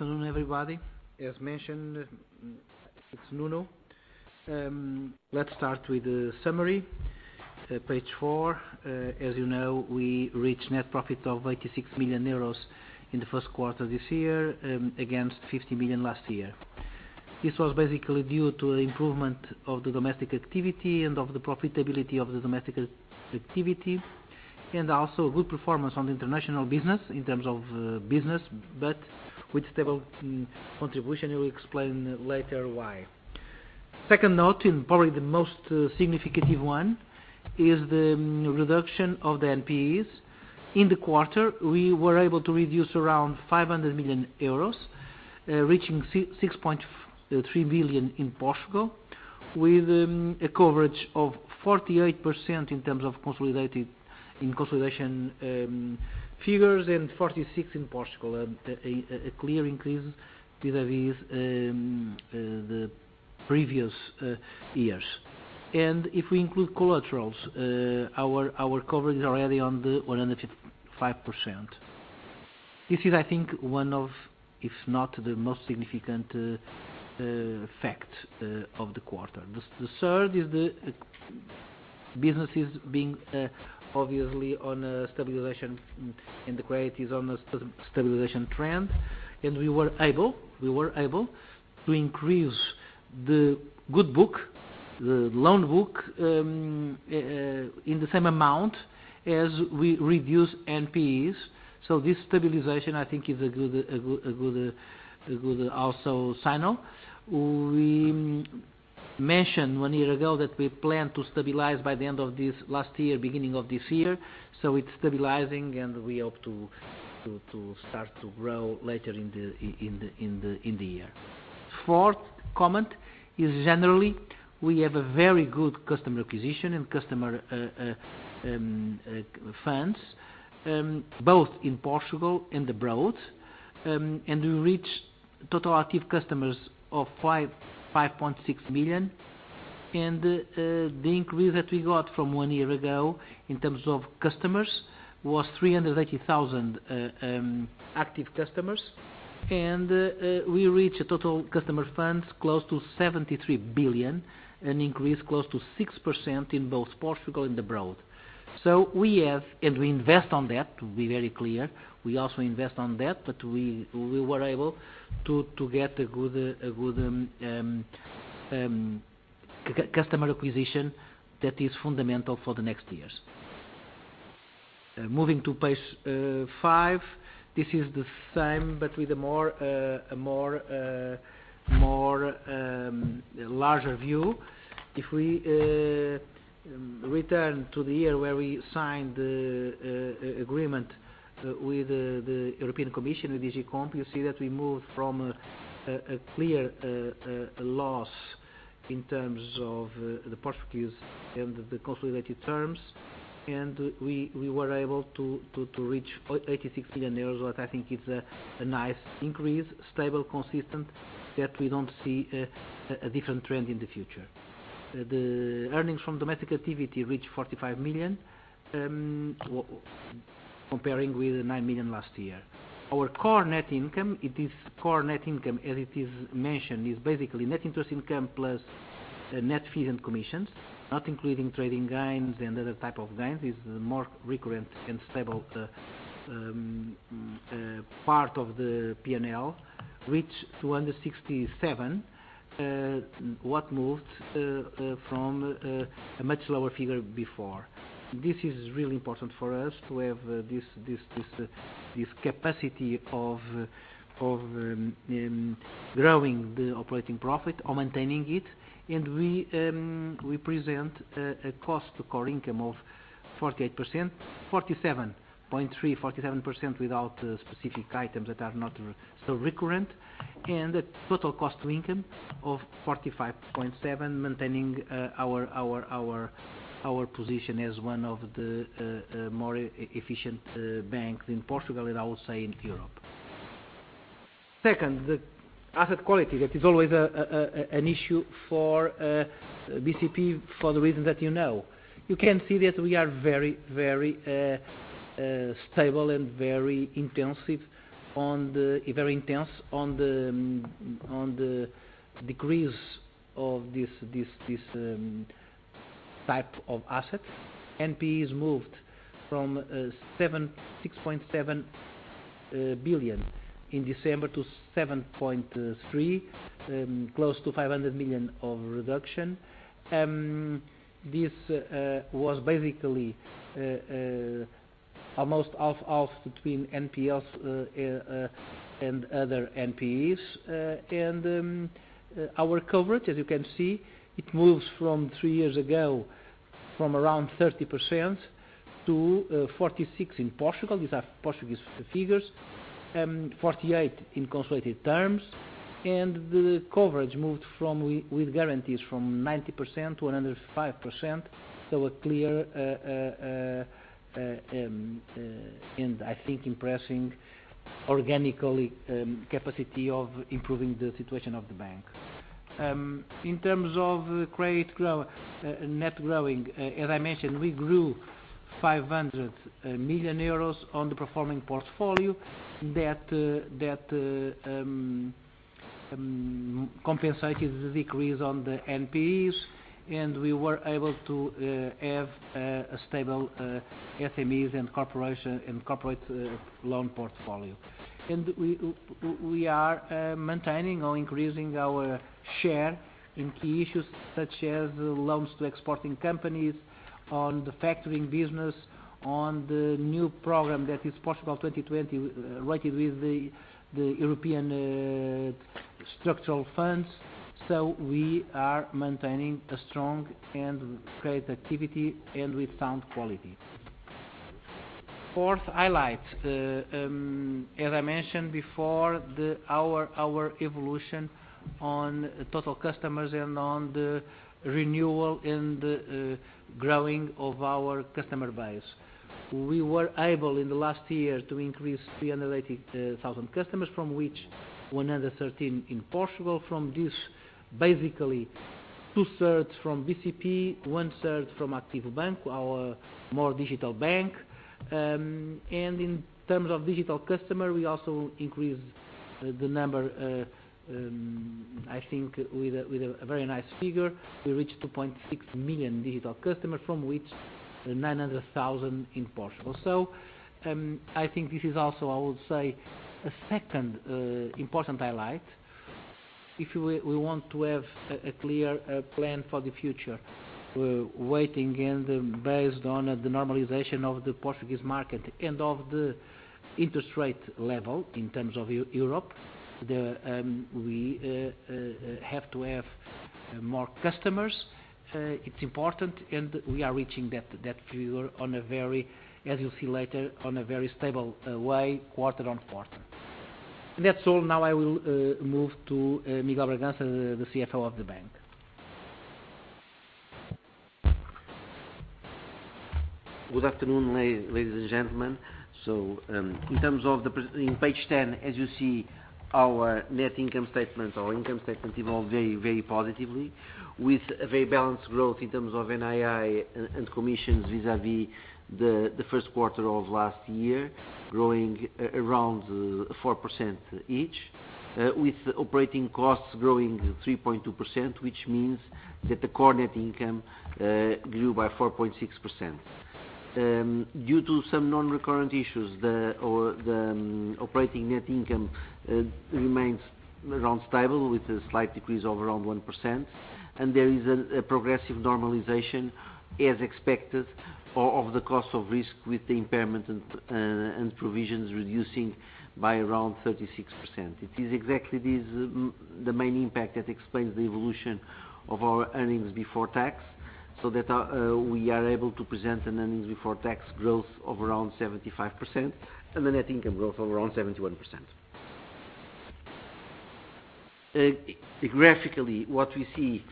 Afternoon, everybody. As mentioned, it's Nuno. Let's start with the summary, page four. As you know, we reached net profit of 86 million euros in the first quarter of this year, against 50 million last year. This was basically due to the improvement of the domestic activity and of the profitability of the domestic activity, also a good performance on the international business in terms of business, but with stable contribution. We will explain later why. Second note, probably the most significant one, is the reduction of the NPEs. In the quarter, we were able to reduce around 500 million euros, reaching 6.3 billion in Portugal, with a coverage of 48% in consolidation figures and 46% in Portugal, a clear increase vis-à-vis the previous years. If we include collaterals, our coverage is already on the 155%. This is, I think, one of, if not the most significant fact of the quarter. The third is the businesses being obviously on a stabilization, the credit is on a stabilization trend, and we were able to increase the good book, the loan book, in the same amount as we reduced NPEs. This stabilization, I think is a good also signal. We mentioned one year ago that we plan to stabilize by the end of this last year, beginning of this year. It's stabilizing, and we hope to start to grow later in the year. Fourth comment is generally, we have a very good customer acquisition and customer funds, both in Portugal and abroad, and we reached total active customers of 5.6 million. The increase that we got from one year ago in terms of customers was 380,000 active customers. We reached total customer funds close to 73 billion, an increase close to 6% in both Portugal and abroad. We invest on that, to be very clear. We also invest on that, but we were able to get a good customer acquisition that is fundamental for the next years. Moving to page five. This is the same, but with a larger view. If we return to the year where we signed the agreement with the European Commission, the DG COMP, you see that we moved from a clear loss in terms of the Portuguese and the consolidated terms, we were able to reach 86 million euros, what I think is a nice increase, stable, consistent, that we don't see a different trend in the future. The earnings from domestic activity reached 45 million, comparing with the 9 million last year. Our core net income, it is core net income, as it is mentioned, is basically net interest income plus net fees and commissions, not including trading gains and other type of gains, is the more recurrent and stable part of the P&L, reached 267 million, what moved from a much lower figure before. This is really important for us to have this capacity of growing the operating profit or maintaining it. We present a cost to core income of 48%, 47.3%, 47% without specific items that are not so recurrent, and a total cost to income of 45.7%, maintaining our position as one of the more efficient banks in Portugal and I would say in Europe. Second, the asset quality. That is always an issue for BCP for the reasons that you know. You can see that we are very stable and very intense on the decrease of this type of assets. NPEs moved from 6.7 billion in December to 7.3 billion, close to 500 million of reduction. This was basically almost half-half between NPEs and other NPEs. Our coverage, as you can see, it moves from three years ago from around 30% to 46% in Portugal. These are Portuguese figures, 48% in consolidated terms. The coverage moved with guarantees from 90% to 105%. A clear, and I think impressive organically capacity of improving the situation of the bank. In terms of credit net growing, as I mentioned, we grew 500 million euros on the performing portfolio that compensated the decrease on the NPEs, and we were able to have a stable SMEs and corporate loan portfolio. We are maintaining or increasing our share in key issues such as loans to exporting companies on the Factoring business, on the new program that is Portugal 2020, rated with the European Structural Funds. We are maintaining a strong and great activity and with sound quality. Fourth highlight, as I mentioned before, our evolution on total customers and on the renewal and the growing of our customer base. We were able in the last year to increase 380,000 customers, from which 113,000 in Portugal. From this, basically two-thirds from BCP, one-third from ActivoBank, our more digital bank. In terms of digital customers, we also increased the number, I think with a very nice figure. We reached 2.6 million digital customers, from which 900,000 in Portugal. I think this is also, I would say, a second important highlight. If we want to have a clear plan for the future, waiting and based on the normalization of the Portuguese market and of the interest rate level in terms of Europe, we have to have more customers. It is important, and we are reaching that figure, as you will see later, on a very stable way quarter-on-quarter. That is all. Now I will move to Miguel Bragança, the CFO of the bank. Good afternoon, ladies and gentlemen. In page 10, as you see, our net income statement or income statement evolved very positively with a very balanced growth in terms of NII and commissions vis-a-vis the first quarter of last year, growing around 4% each, with operating costs growing 3.2%, which means that the core net income grew by 4.6%. Due to some non-recurrent issues, the operating net income remains around stable with a slight decrease of around 1%, and there is a progressive normalization, as expected, of the cost of risk with the impairment and provisions reducing by around 36%. It is exactly this, the main impact that explains the evolution of our earnings before tax, so that we are able to present an earnings before tax growth of around 75% and a net income growth of around 71%. Graphically, what we see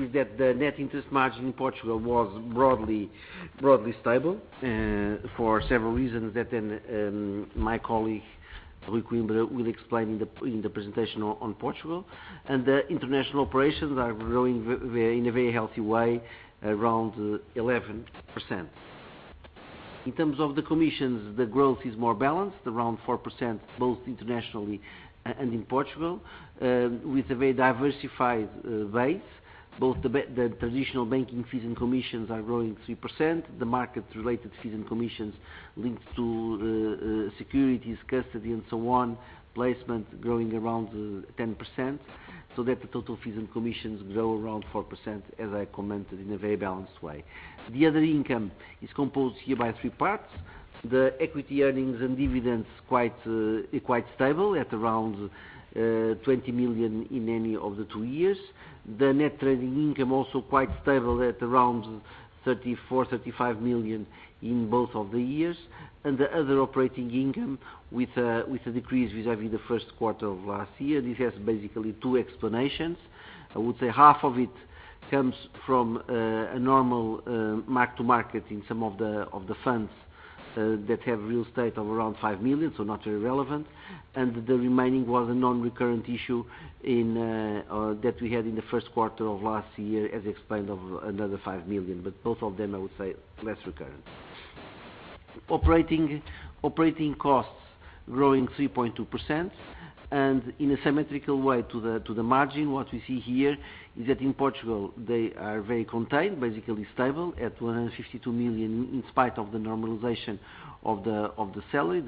is that the net interest margin in Portugal was broadly stable for several reasons that my colleague, Rui Coimbra, will explain in the presentation on Portugal. The international operations are growing in a very healthy way around 11%. In terms of the commissions, the growth is more balanced, around 4%, both internationally and in Portugal, with a very diversified base. Both the traditional banking fees and commissions are growing 3%. The market-related fees and commissions linked to securities custody and so on, placement growing around 10%, so that the total fees and commissions grow around 4%, as I commented, in a very balanced way. The other income is composed here by three parts. The equity earnings and dividends quite stable at around 20 million in any of the two years. The net trading income also quite stable at around 34, 35 million in both of the years. The other operating income with a decrease vis-a-vis the first quarter of last year. This has basically two explanations. I would say half of it comes from a normal mark to market in some of the funds that have real estate of around 5 million, so not very relevant. The remaining was a non-recurrent issue that we had in the first quarter of last year, as explained, of another 5 million. Both of them, I would say, less recurrent. Operating costs growing 3.2%, in a symmetrical way to the margin, what we see here is that in Portugal, they are very contained, basically stable at 152 million in spite of the normalization of the salary.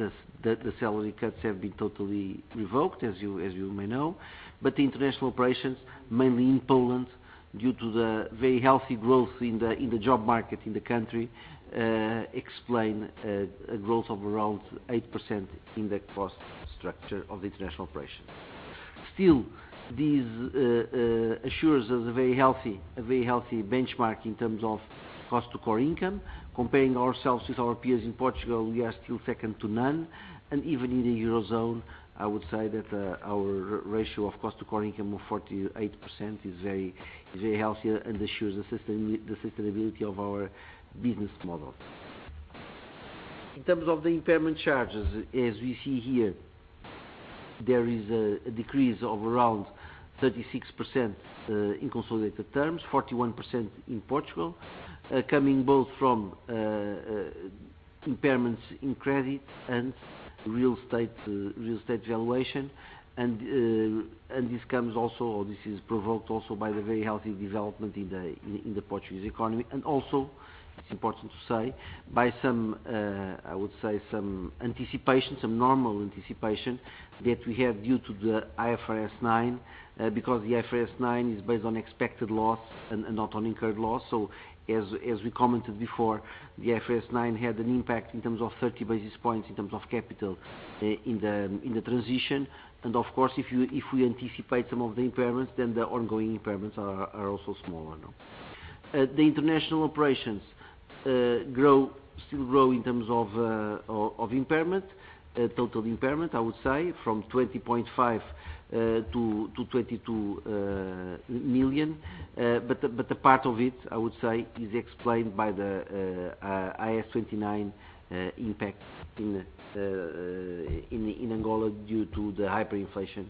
The salary cuts have been totally revoked, as you may know. The international operations, mainly in Poland, due to the very healthy growth in the job market in the country, explain a growth of around 8% in the cost structure of the international operations. Still, this assures us a very healthy benchmark in terms of cost to core income. Comparing ourselves with our peers in Portugal, we are still second to none. Even in the Eurozone, I would say that our ratio of cost to core income of 48% is very healthy and assures the sustainability of our business model. In terms of the impairment charges, as we see here, there is a decrease of around 36% in consolidated terms, 41% in Portugal, coming both from impairments in credit and real estate valuation. This is provoked also by the very healthy development in the Portuguese economy, also, it's important to say, by some normal anticipation that we have due to the IFRS 9, because the IFRS 9 is based on expected loss and not on incurred loss. As we commented before, the IFRS 9 had an impact in terms of 30 basis points in terms of capital in the transition. Of course, if we anticipate some of the impairments, the ongoing impairments are also smaller now. The international operations still grow in terms of total impairment, I would say from 20.5 million to 22 million. A part of it, I would say, is explained by the IAS 29 impact in Angola due to the hyperinflation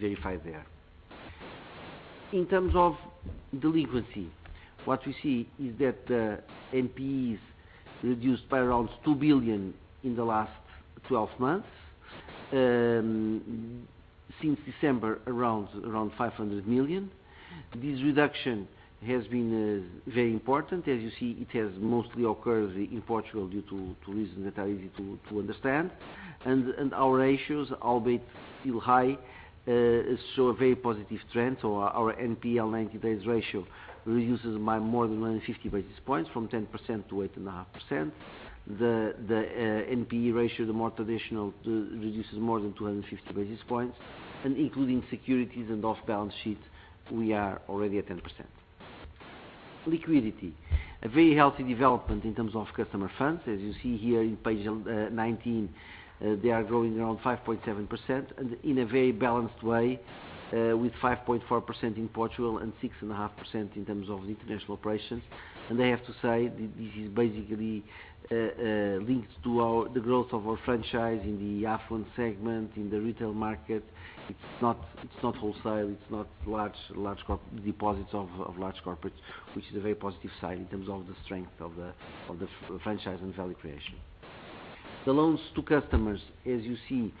verified there. In terms of delinquency, what we see is that the NPEs reduced by around 2 billion in the last 12 months. Since December, around 500 million. This reduction has been very important. As you see, it has mostly occurred in Portugal due to reasons that are easy to understand. Our ratios, albeit still high, show a very positive trend. Our NPL 90-day ratio reduces by more than 150 basis points from 10% to 8.5%. The NPE ratio, the more traditional, reduces more than 250 basis points and including securities and off-balance sheet, we are already at 10%. Liquidity. A very healthy development in terms of customer funds. As you see here on page 19, they are growing around 5.7% and in a very balanced way with 5.4% in Portugal and 6.5% in terms of international operations. I have to say, this is basically linked to the growth of our franchise in the affluent segment, in the retail market. It's not wholesale, it's not deposits of large corporates, which is a very positive sign in terms of the strength of the franchise and value creation. The loans to customers, as you see,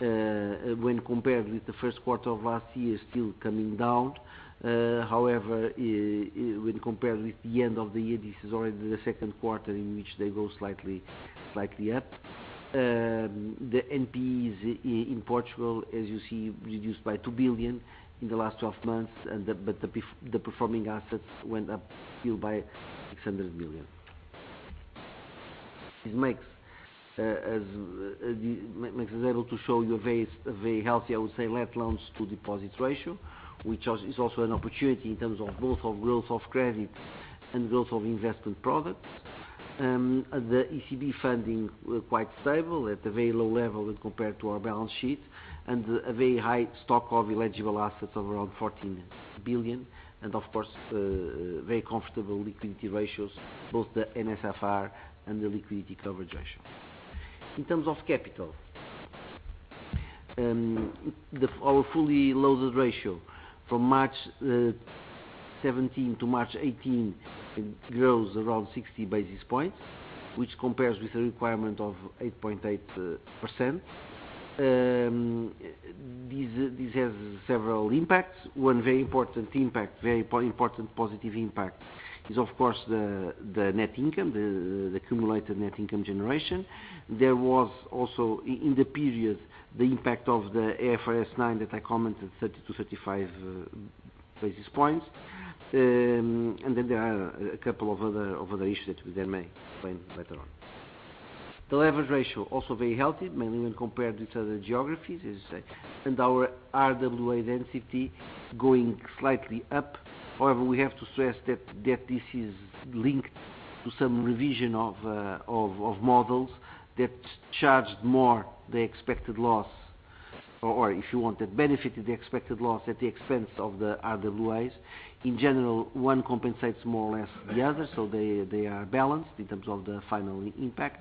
when compared with the first quarter of last year, still coming down. However, when compared with the end of the year, this is already the second quarter in which they go slightly up. The NPEs in Portugal, as you see, reduced by 2 billion in the last 12 months, but the performing assets went up still by 600 million. This makes us able to show you a very healthy, I would say, net loans to deposits ratio, which is also an opportunity in terms of both growth of credit and growth of investment products. The ECB funding quite stable at a very low level when compared to our balance sheet, and a very high stock of eligible assets of around 14 billion. Of course, very comfortable liquidity ratios, both the NSFR and the liquidity coverage ratio. In terms of capital, our fully loaded ratio from March 2017 to March 2018 grows around 60 basis points, which compares with the requirement of 8.8%. This has several impacts. One very important positive impact is, of course, the net income, the accumulated net income generation. There was also in the period the impact of the IFRS 9 that I commented, 30 to 35 basis points. There are a couple of other issues that we then may explain later on. The leverage ratio, also very healthy, mainly when compared with other geographies, as I say. Our RWA density going slightly up. However, we have to stress that this is linked to some revision of models that charged more the expected loss, or if you want, that benefited the expected loss at the expense of the RWAs. In general, one compensates more or less the other, so they are balanced in terms of the final impact.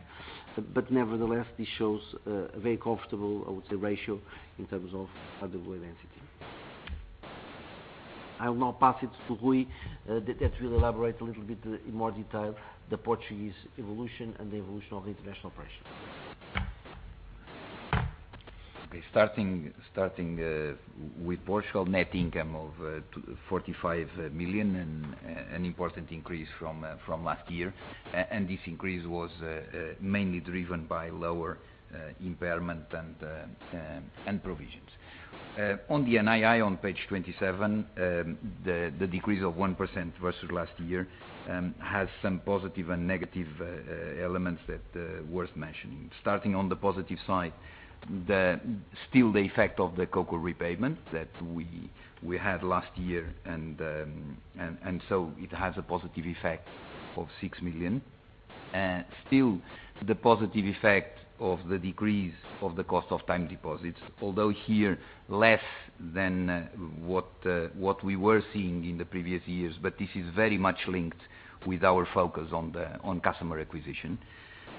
Nevertheless, this shows a very comfortable, I would say, ratio in terms of RWA density. I will now pass it to Rui that will elaborate a little bit in more detail the Portuguese evolution and the evolution of the international operations. Okay. Starting with Portugal, net income of 45 million and an important increase from last year. This increase was mainly driven by lower impairment and provisions. NII on page 27, the decrease of 1% versus last year has some positive and negative elements that are worth mentioning. Starting on the positive side, still the effect of the CoCo repayment that we had last year so it has a positive effect of 6 million. Still the positive effect of the decrease of the cost of time deposits, although here less than what we were seeing in the previous years. This is very much linked with our focus on customer acquisition.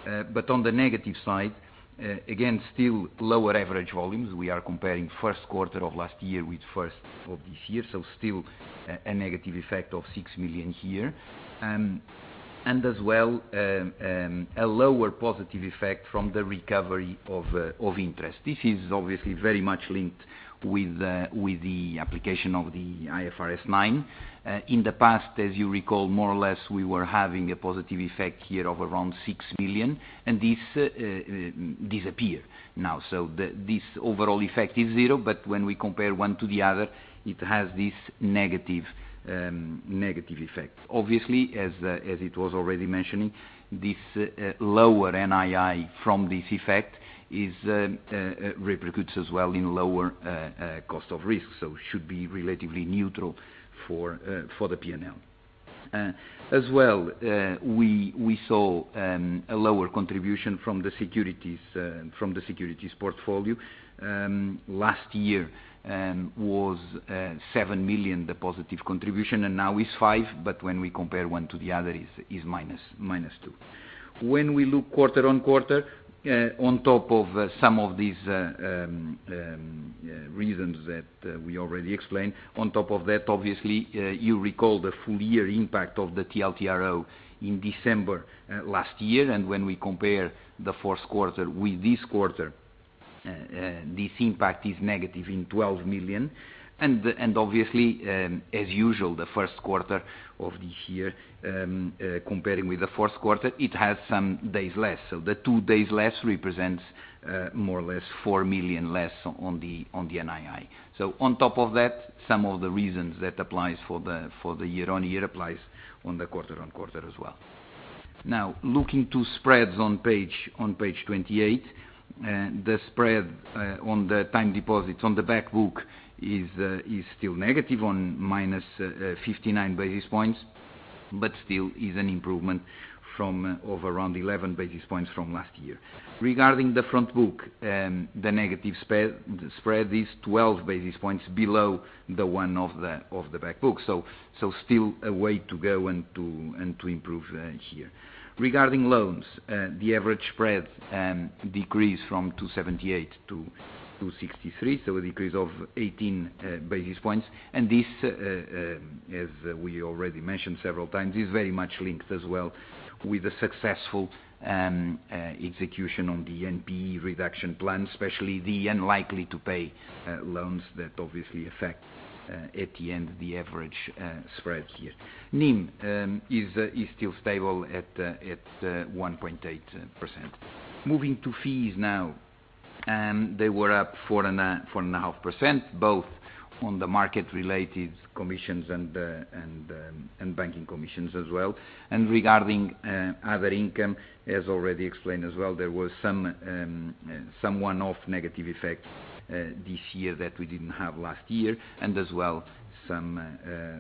On the negative side, again, still lower average volumes. We are comparing first quarter of last year with first of this year, so still a negative effect of 6 million here. As well, a lower positive effect from the recovery of interest. This is obviously very much linked with the application of the IFRS 9. In the past, as you recall, more or less, we were having a positive effect here of around 6 million and this disappear now. This overall effect is zero, but when we compare one to the other, it has this negative effect. Obviously, as it was already mentioning, this lower NII from this effect is repercuss as well in lower cost of risk, so should be relatively neutral for the P&L. As well, we saw a lower contribution from the securities portfolio. Last year was 7 million, the positive contribution, and now is 5 million, but when we compare one to the other is minus 2 million. When we look quarter on quarter, on top of some of these reasons that we already explained, on top of that, obviously, you recall the full year impact of the TLTRO in December last year. When we compare the fourth quarter with this quarter, this impact is negative in 12 million. Obviously, as usual, the first quarter of this year, comparing with the fourth quarter, it has some days less. The two days less represents more or less 4 million less on the NII. On top of that, some of the reasons that applies for the year-on-year applies on the quarter-on-quarter as well. Now, looking to spreads on page 28. The spread on the time deposits on the back book is still negative on minus 59 basis points, but still is an improvement of around 11 basis points from last year. Regarding the front book, the negative spread is 12 basis points below the one of the back book. Still a way to go and to improve here. Regarding loans, the average spread decreased from 278 to 263, so a decrease of 18 basis points. This, as we already mentioned several times, is very much linked as well with the successful execution on the NPE reduction plan, especially the unlikely-to-pay loans that obviously affect at the end the average spread here. NIM is still stable at 1.8%. Moving to fees now. They were up 4.5%, both on the market related commissions and banking commissions as well. Regarding other income, as already explained as well, there was some one-off negative effects this year that we didn't have last year, and as well, some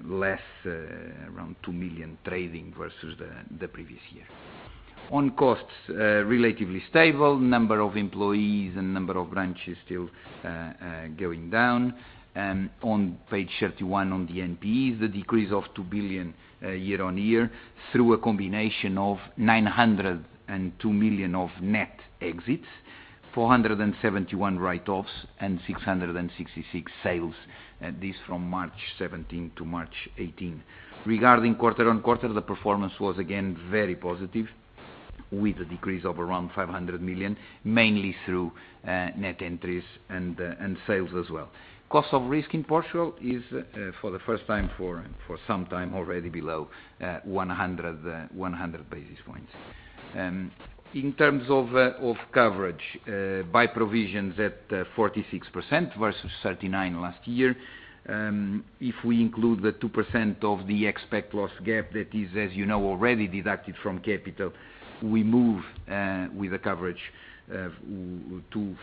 less around 2 million trading versus the previous year. On costs, relatively stable. Number of employees and number of branches still going down. On page 31 on the NPEs, the decrease of 2 billion year-over-year through a combination of 902 million of net exits, 471 write-offs, and 666 sales. This from March 2017 to March 2018. Regarding quarter-over-quarter, the performance was again very positive with a decrease of around 500 million, mainly through net entries and sales as well. Cost of risk in Portugal is for the first time, for some time already below 100 basis points. In terms of coverage by provisions at 46% versus 39% last year. If we include the 2% of the expected loss gap that is, as you know, already deducted from capital, we move with a coverage to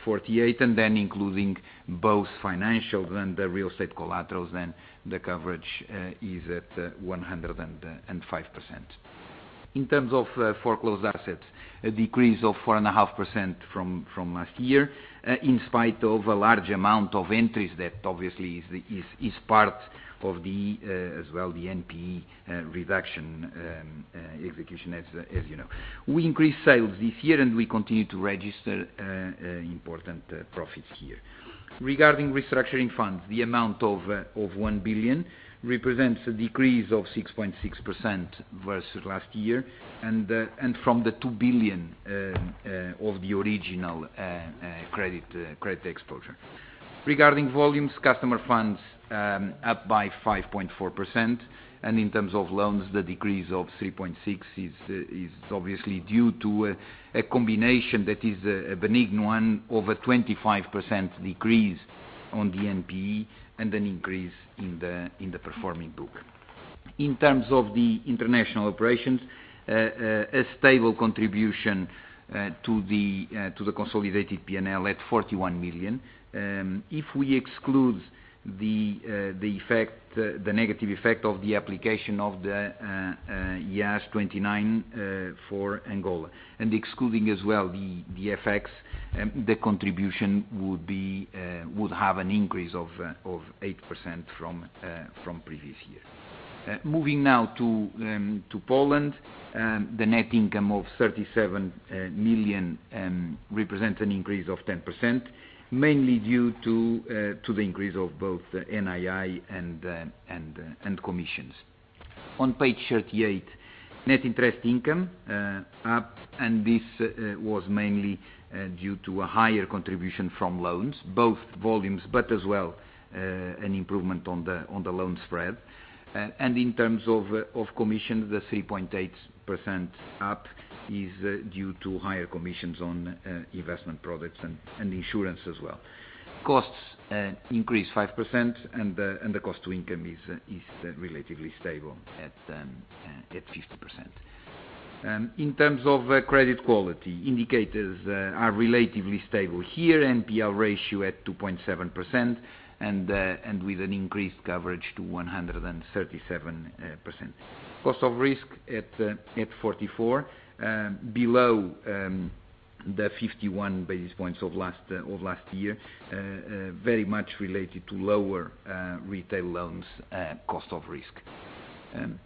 48%. Then including both financial and the real estate collaterals, then the coverage is at 105%. In terms of foreclosed assets, a decrease of 4.5% from last year, in spite of a large amount of entries that obviously is part of as well the NPE reduction execution as you know. We increased sales this year and we continue to register important profits here. Regarding restructuring funds, the amount of 1 billion represents a decrease of 6.6% versus last year and from the 2 billion of the original credit exposure. Regarding volumes, customer funds up by 5.4%. In terms of loans, the decrease of 3.6% is obviously due to a combination that is a benign one over 25% decrease on the NPE and an increase in the performing book. In terms of the international operations, a stable contribution to the consolidated P&L at 41 million. If we exclude the negative effect of the application of the IAS 29 for Angola and excluding as well the FX, the contribution would have an increase of 8% from previous year. Moving now to Poland. The net income of 37 million represents an increase of 10%, mainly due to the increase of both NII and commissions. On page 38, net interest income up. This was mainly due to a higher contribution from loans, both volumes but as well an improvement on the loan spread. In terms of commission, the 3.8% up is due to higher commissions on investment products and insurance as well. Costs increase 5% and the cost to income is relatively stable at 50%. In terms of credit quality, indicators are relatively stable here, NPL ratio at 2.7% and with an increased coverage to 137%. Cost of risk at 44 basis points below the 51 basis points of last year very much related to lower retail loans cost of risk.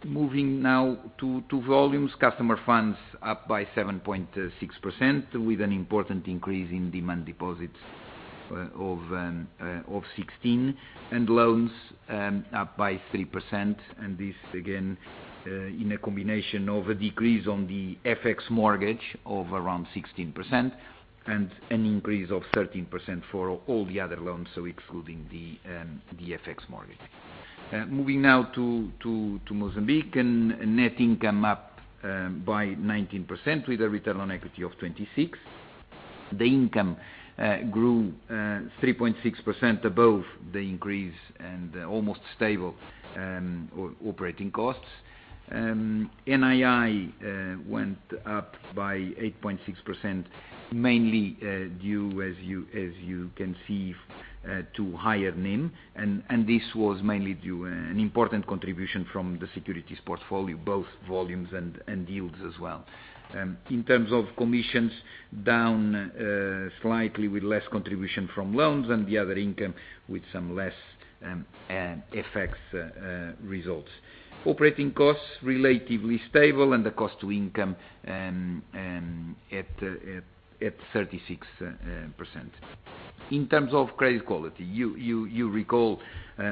Moving now to volumes. Customer funds up by 7.6% with an important increase in demand deposits of 16% and loans up by 3%. This again in a combination of a decrease on the FX mortgage of around 16% and an increase of 13% for all the other loans, so excluding the FX mortgage. Moving now to Mozambique. Net income up by 19% with a return on equity of 26%. The income grew 3.6% above the increase and almost stable operating costs. NII went up by 8.6% mainly due, as you can see to higher NIM and this was mainly due an important contribution from the securities portfolio, both volumes and yields as well. In terms of commissions down slightly with less contribution from loans and the other income with some less FX results. Operating costs relatively stable and the cost to income at 36%. In terms of credit quality you recall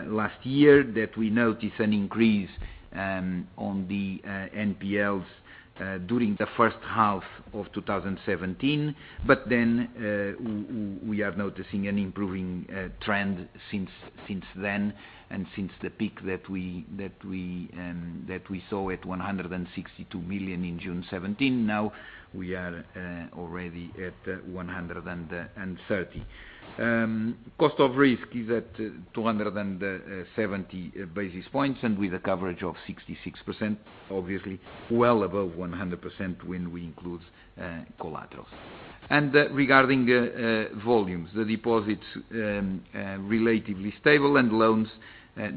last year that we noticed an increase on the NPLs during the first half of 2017 but then we are noticing an improving trend since then and since the peak that we saw at 162 million in June 2017, now we are already at 130. Cost of risk is at 270 basis points and with a coverage of 66%, obviously well above 100% when we include collaterals. Regarding volumes, the deposits relatively stable and loans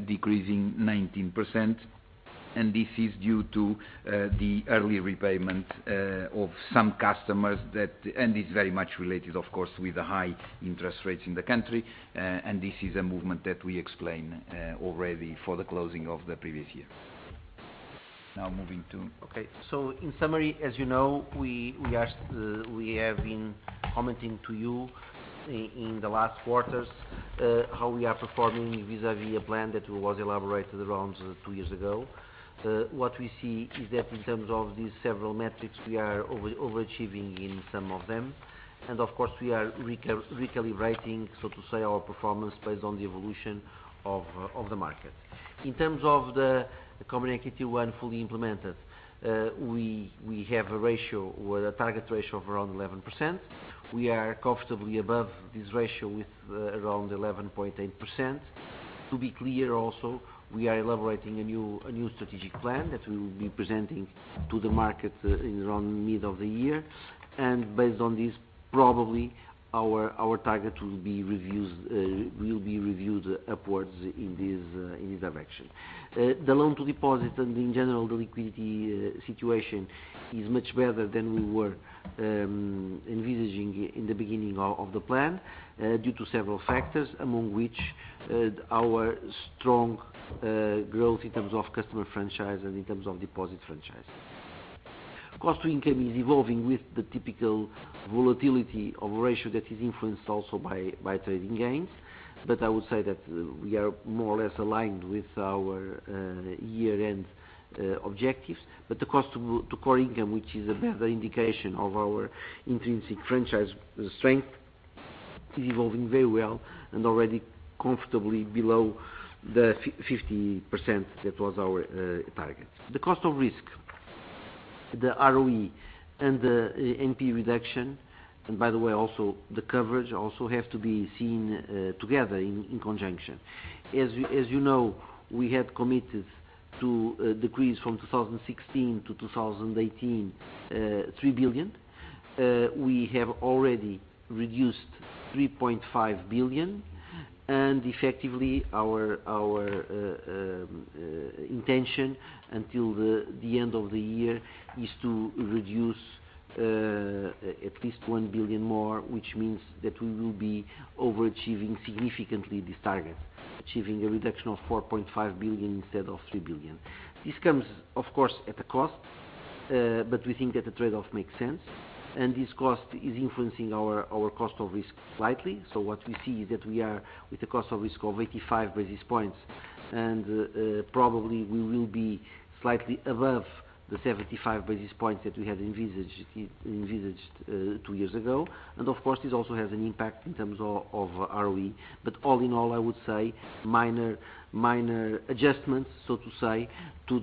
decreasing 19%. This is due to the early repayment of some customers and is very much related, of course, with the high interest rates in the country. This is a movement that we explained already for the closing of the previous year. Okay. In summary, as you know we have been commenting to you in the last quarters how we are performing vis-à-vis a plan that was elaborated around two years ago. What we see is that in terms of these several metrics, we are overachieving in some of them. Of course, we are recalibrating, so to say, our performance based on the evolution of the market. In terms of the Common Equity Tier 1 fully implemented we have a target ratio of around 11%. We are comfortably above this ratio with around 11.8%. To be clear also, we are elaborating a new strategic plan that we will be presenting to the market in around mid of the year. Based on this, probably our target will be reviewed upwards in this direction. The loan to deposit and in general the liquidity situation is much better than we were envisaging in the beginning of the plan due to several factors among which our strong growth in terms of customer franchise and in terms of deposit franchise. Cost to income is evolving with the typical volatility of ratio that is influenced also by trading gains. I would say that we are more or less aligned with our year-end objectives. The cost to core income, which is a better indication of our intrinsic franchise strength, is evolving very well and already comfortably below the 50% that was our target. The cost of risk The ROE and the NPE reduction, and by the way, also the coverage also have to be seen together in conjunction. As you know, we had committed to decrease from 2016 to 2018, 3 billion. We have already reduced 3.5 billion and effectively our intention until the end of the year is to reduce at least 1 billion more, which means that we will be overachieving significantly this target, achieving a reduction of 4.5 billion instead of 3 billion. This comes, of course, at a cost, but we think that the trade-off makes sense, and this cost is influencing our cost of risk slightly. What we see is that we are with a cost of risk of 85 basis points, and probably we will be slightly above the 75 basis points that we had envisaged two years ago. Of course, this also has an impact in terms of ROE. All in all, I would say minor adjustments so to say to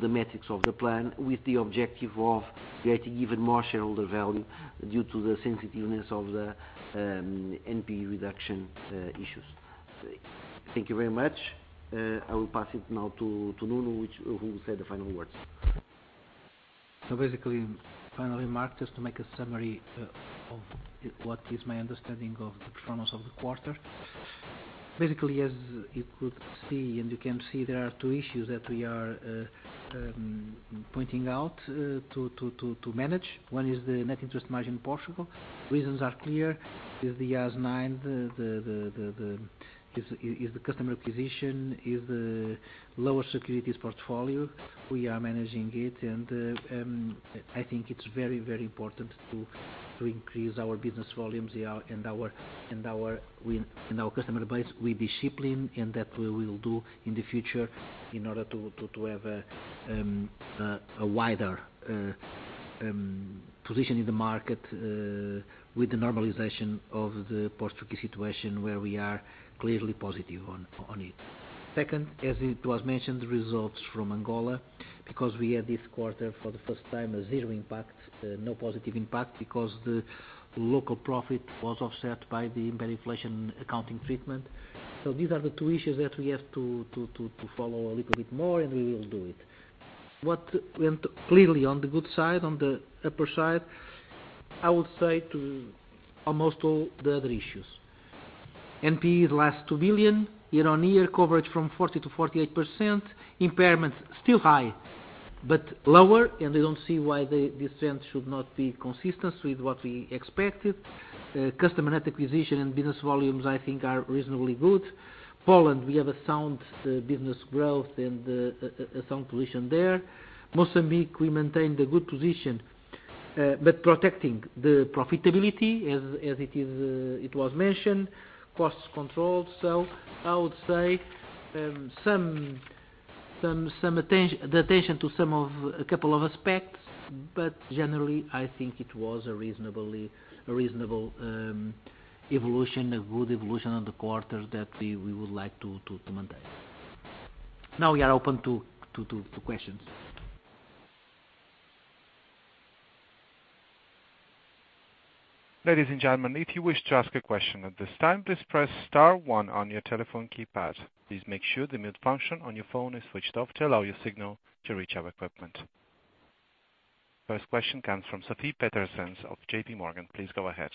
the metrics of the plan with the objective of creating even more shareholder value due to the sensitiveness of the NP reduction issues. Thank you very much. I will pass it now to Nuno, who will say the final words. Basically, finally, Mark, just to make a summary of what is my understanding of the performance of the quarter. Basically as you could see, and you can see there are two issues that we are pointing out to manage. One is the net interest margin in Portugal. Reasons are clear. It's the IFRS 9, is the customer acquisition, is the lower securities portfolio. We are managing it and I think it's very important to increase our business volumes and our customer base. We're discipline and that we will do in the future in order to have a wider position in the market with the normalization of the Portuguese situation where we are clearly positive on it. Second, as it was mentioned, the results from Angola because we had this quarter for the first time a zero impact, no positive impact because the local profit was offset by the hyperinflation accounting treatment. These are the two issues that we have to follow a little bit more, and we will do it. What went clearly on the good side, on the upper side, I would say to almost all the other issues. NPE last 2 billion, year-on-year coverage from 40%-48%. Impairment still high but lower and we don't see why this trend should not be consistent with what we expected. Customer net acquisition and business volumes I think are reasonably good. Poland, we have a sound business growth and a sound position there. Mozambique, we maintain the good position, but protecting the profitability as it was mentioned, costs controlled. I would say the attention to a couple of aspects, generally, I think it was a reasonable evolution, a good evolution on the quarter that we would like to maintain. Now we are open to questions. Ladies and gentlemen, if you wish to ask a question at this time, please press *1 on your telephone keypad. Please make sure the mute function on your phone is switched off to allow your signal to reach our equipment. First question comes from Sofie Peterzéns of JPMorgan. Please go ahead.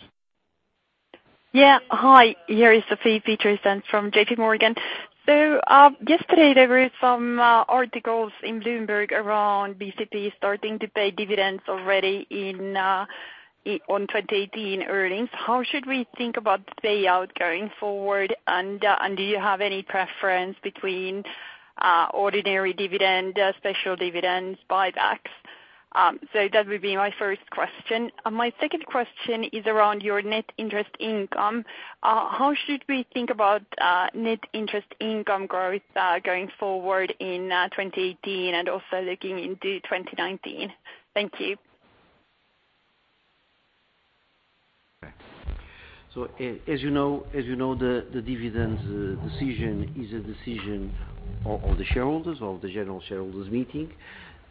Yeah. Hi, here is Sofie Peterzéns from J.P. Morgan. Yesterday there were some articles in Bloomberg around BCP starting to pay dividends already on 2018 earnings. How should we think about the payout going forward? Do you have any preference between ordinary dividend, special dividends, buybacks? That would be my first question. My second question is around your net interest income. How should we think about net interest income growth, going forward in 2018 and also looking into 2019? Thank you. As you know the dividend decision is a decision of the shareholders, of the general shareholders meeting.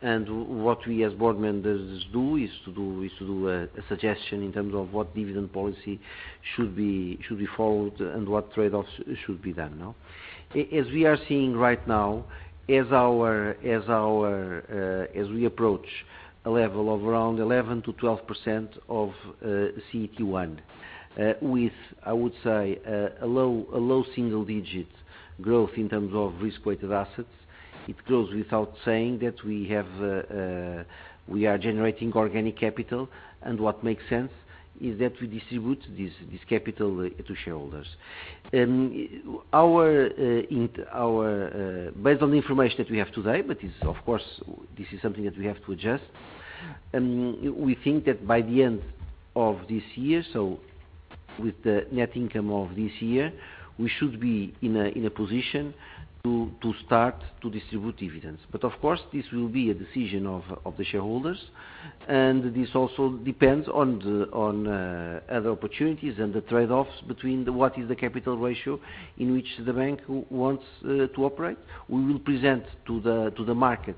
What we as board members do is to do a suggestion in terms of what dividend policy should be followed and what trade-offs should be done. As we are seeing right now, as we approach a level of around 11%-12% of CET1, with, I would say, a low single-digit growth in terms of risk-weighted assets. It goes without saying that we are generating organic capital, what makes sense is that we distribute this capital to shareholders. Based on the information that we have today, of course, this is something that we have to adjust, we think that by the end of this year, with the net income of this year, we should be in a position to start to distribute dividends. Of course, this will be a decision of the shareholders. This also depends on other opportunities and the trade-offs between what is the capital ratio in which the bank wants to operate. We will present to the market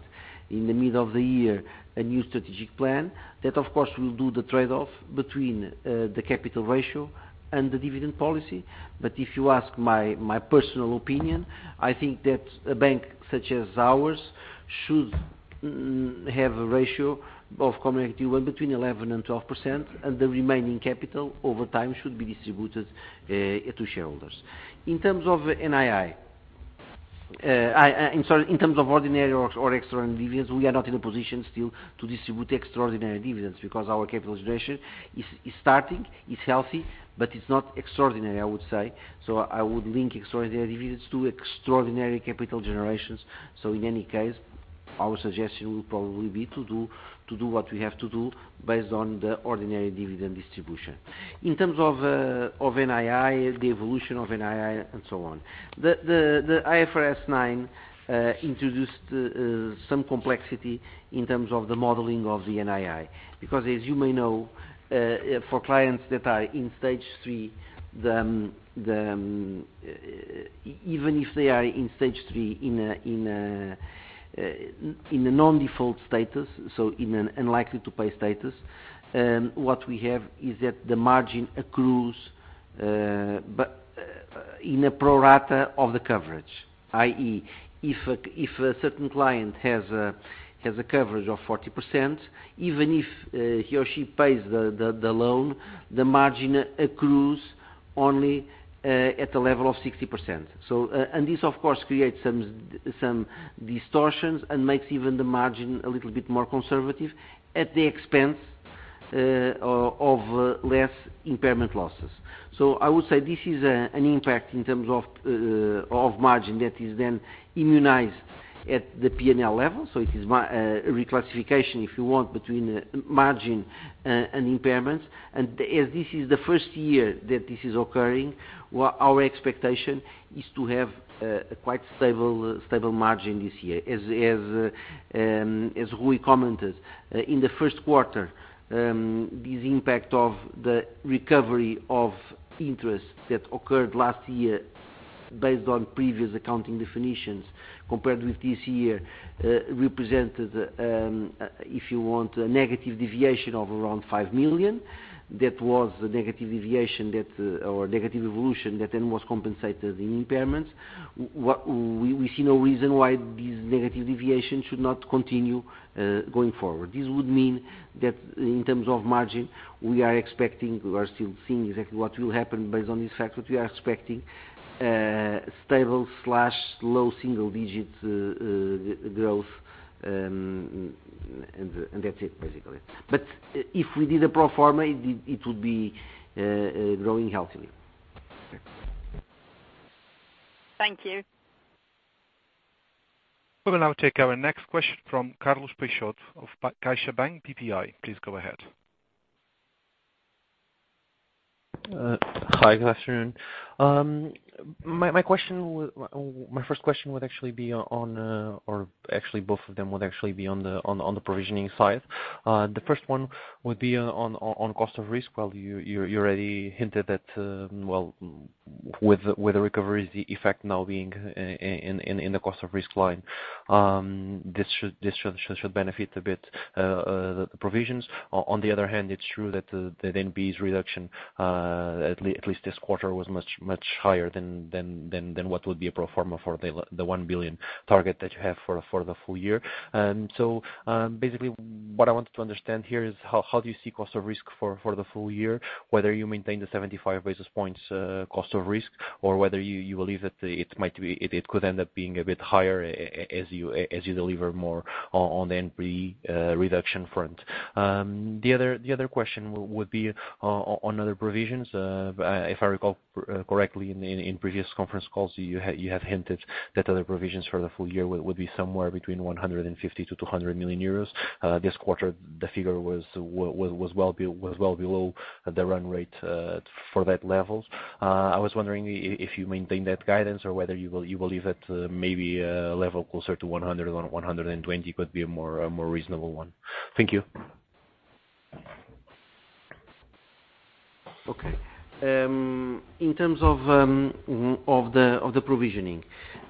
in the middle of the year a new strategic plan that, of course, will do the trade-off between the capital ratio and the dividend policy. If you ask my personal opinion, I think that a bank such as ours should have a ratio of Common Equity 1 between 11%-12%, and the remaining capital, over time, should be distributed to shareholders. In terms of NII. I'm sorry, in terms of ordinary or extraordinary dividends, we are not in a position still to distribute extraordinary dividends because our capital generation is starting. It's healthy, it's not extraordinary, I would say. I would link extraordinary dividends to extraordinary capital generations. In any case, our suggestion will probably be to do what we have to do based on the ordinary dividend distribution. In terms of NII, the evolution of NII and so on. IFRS 9 introduced some complexity in terms of the modeling of the NII, because as you may know, for clients that are in stage 3, even if they are in stage 3 in a non-default status, in an unlikely-to-pay status, what we have is that the margin accrues, but in a pro rata of the coverage. I.e., if a certain client has a coverage of 40%, even if he or she pays the loan, the margin accrues only at a level of 60%. This, of course, creates some distortions and makes even the margin a little bit more conservative at the expense of less impairment losses. I would say this is an impact in terms of margin that is then immunized at the P&L level. It is a reclassification, if you want, between margin and impairments. As this is the first year that this is occurring, our expectation is to have a quite stable margin this year. As Rui commented, in the first quarter, this impact of the recovery of interest that occurred last year based on previous accounting definitions compared with this year represented, if you want, a negative deviation of around 5 million. That was a negative deviation or negative evolution that then was compensated in impairments. We see no reason why this negative deviation should not continue going forward. This would mean that in terms of margin, we are expecting, we are still seeing exactly what will happen based on these factors. We are expecting stable/low single-digit growth, and that's it, basically. If we did a pro forma, it would be growing healthily. Thanks. Thank you. We will now take our next question from Carlos Peixoto of CaixaBank BPI. Please go ahead. Hi, good afternoon. My first question would actually be on, or actually both of them would actually be on the provisioning side. The first one would be on cost of risk. Well, you already hinted at, well, with the recovery effect now being in the cost of risk line. This should benefit a bit the provisions. On the other hand, it is true that NPE reduction at least this quarter was much, much higher than what would be a pro forma for the 1 billion target that you have for the full year. Basically, what I wanted to understand here is how do you see cost of risk for the full year? Whether you maintain the 75 basis points cost of risk, or whether you believe that it could end up being a bit higher as you deliver more on the NPE reduction front. The other question would be on other provisions. If I recall correctly, in previous conference calls, you have hinted that other provisions for the full year would be somewhere between 150 million-200 million euros. This quarter, the figure was well below the run rate for that level. I was wondering if you maintain that guidance or whether you believe that maybe a level closer to 100 million or 120 million could be a more reasonable one. Thank you. Okay. In terms of the provisioning,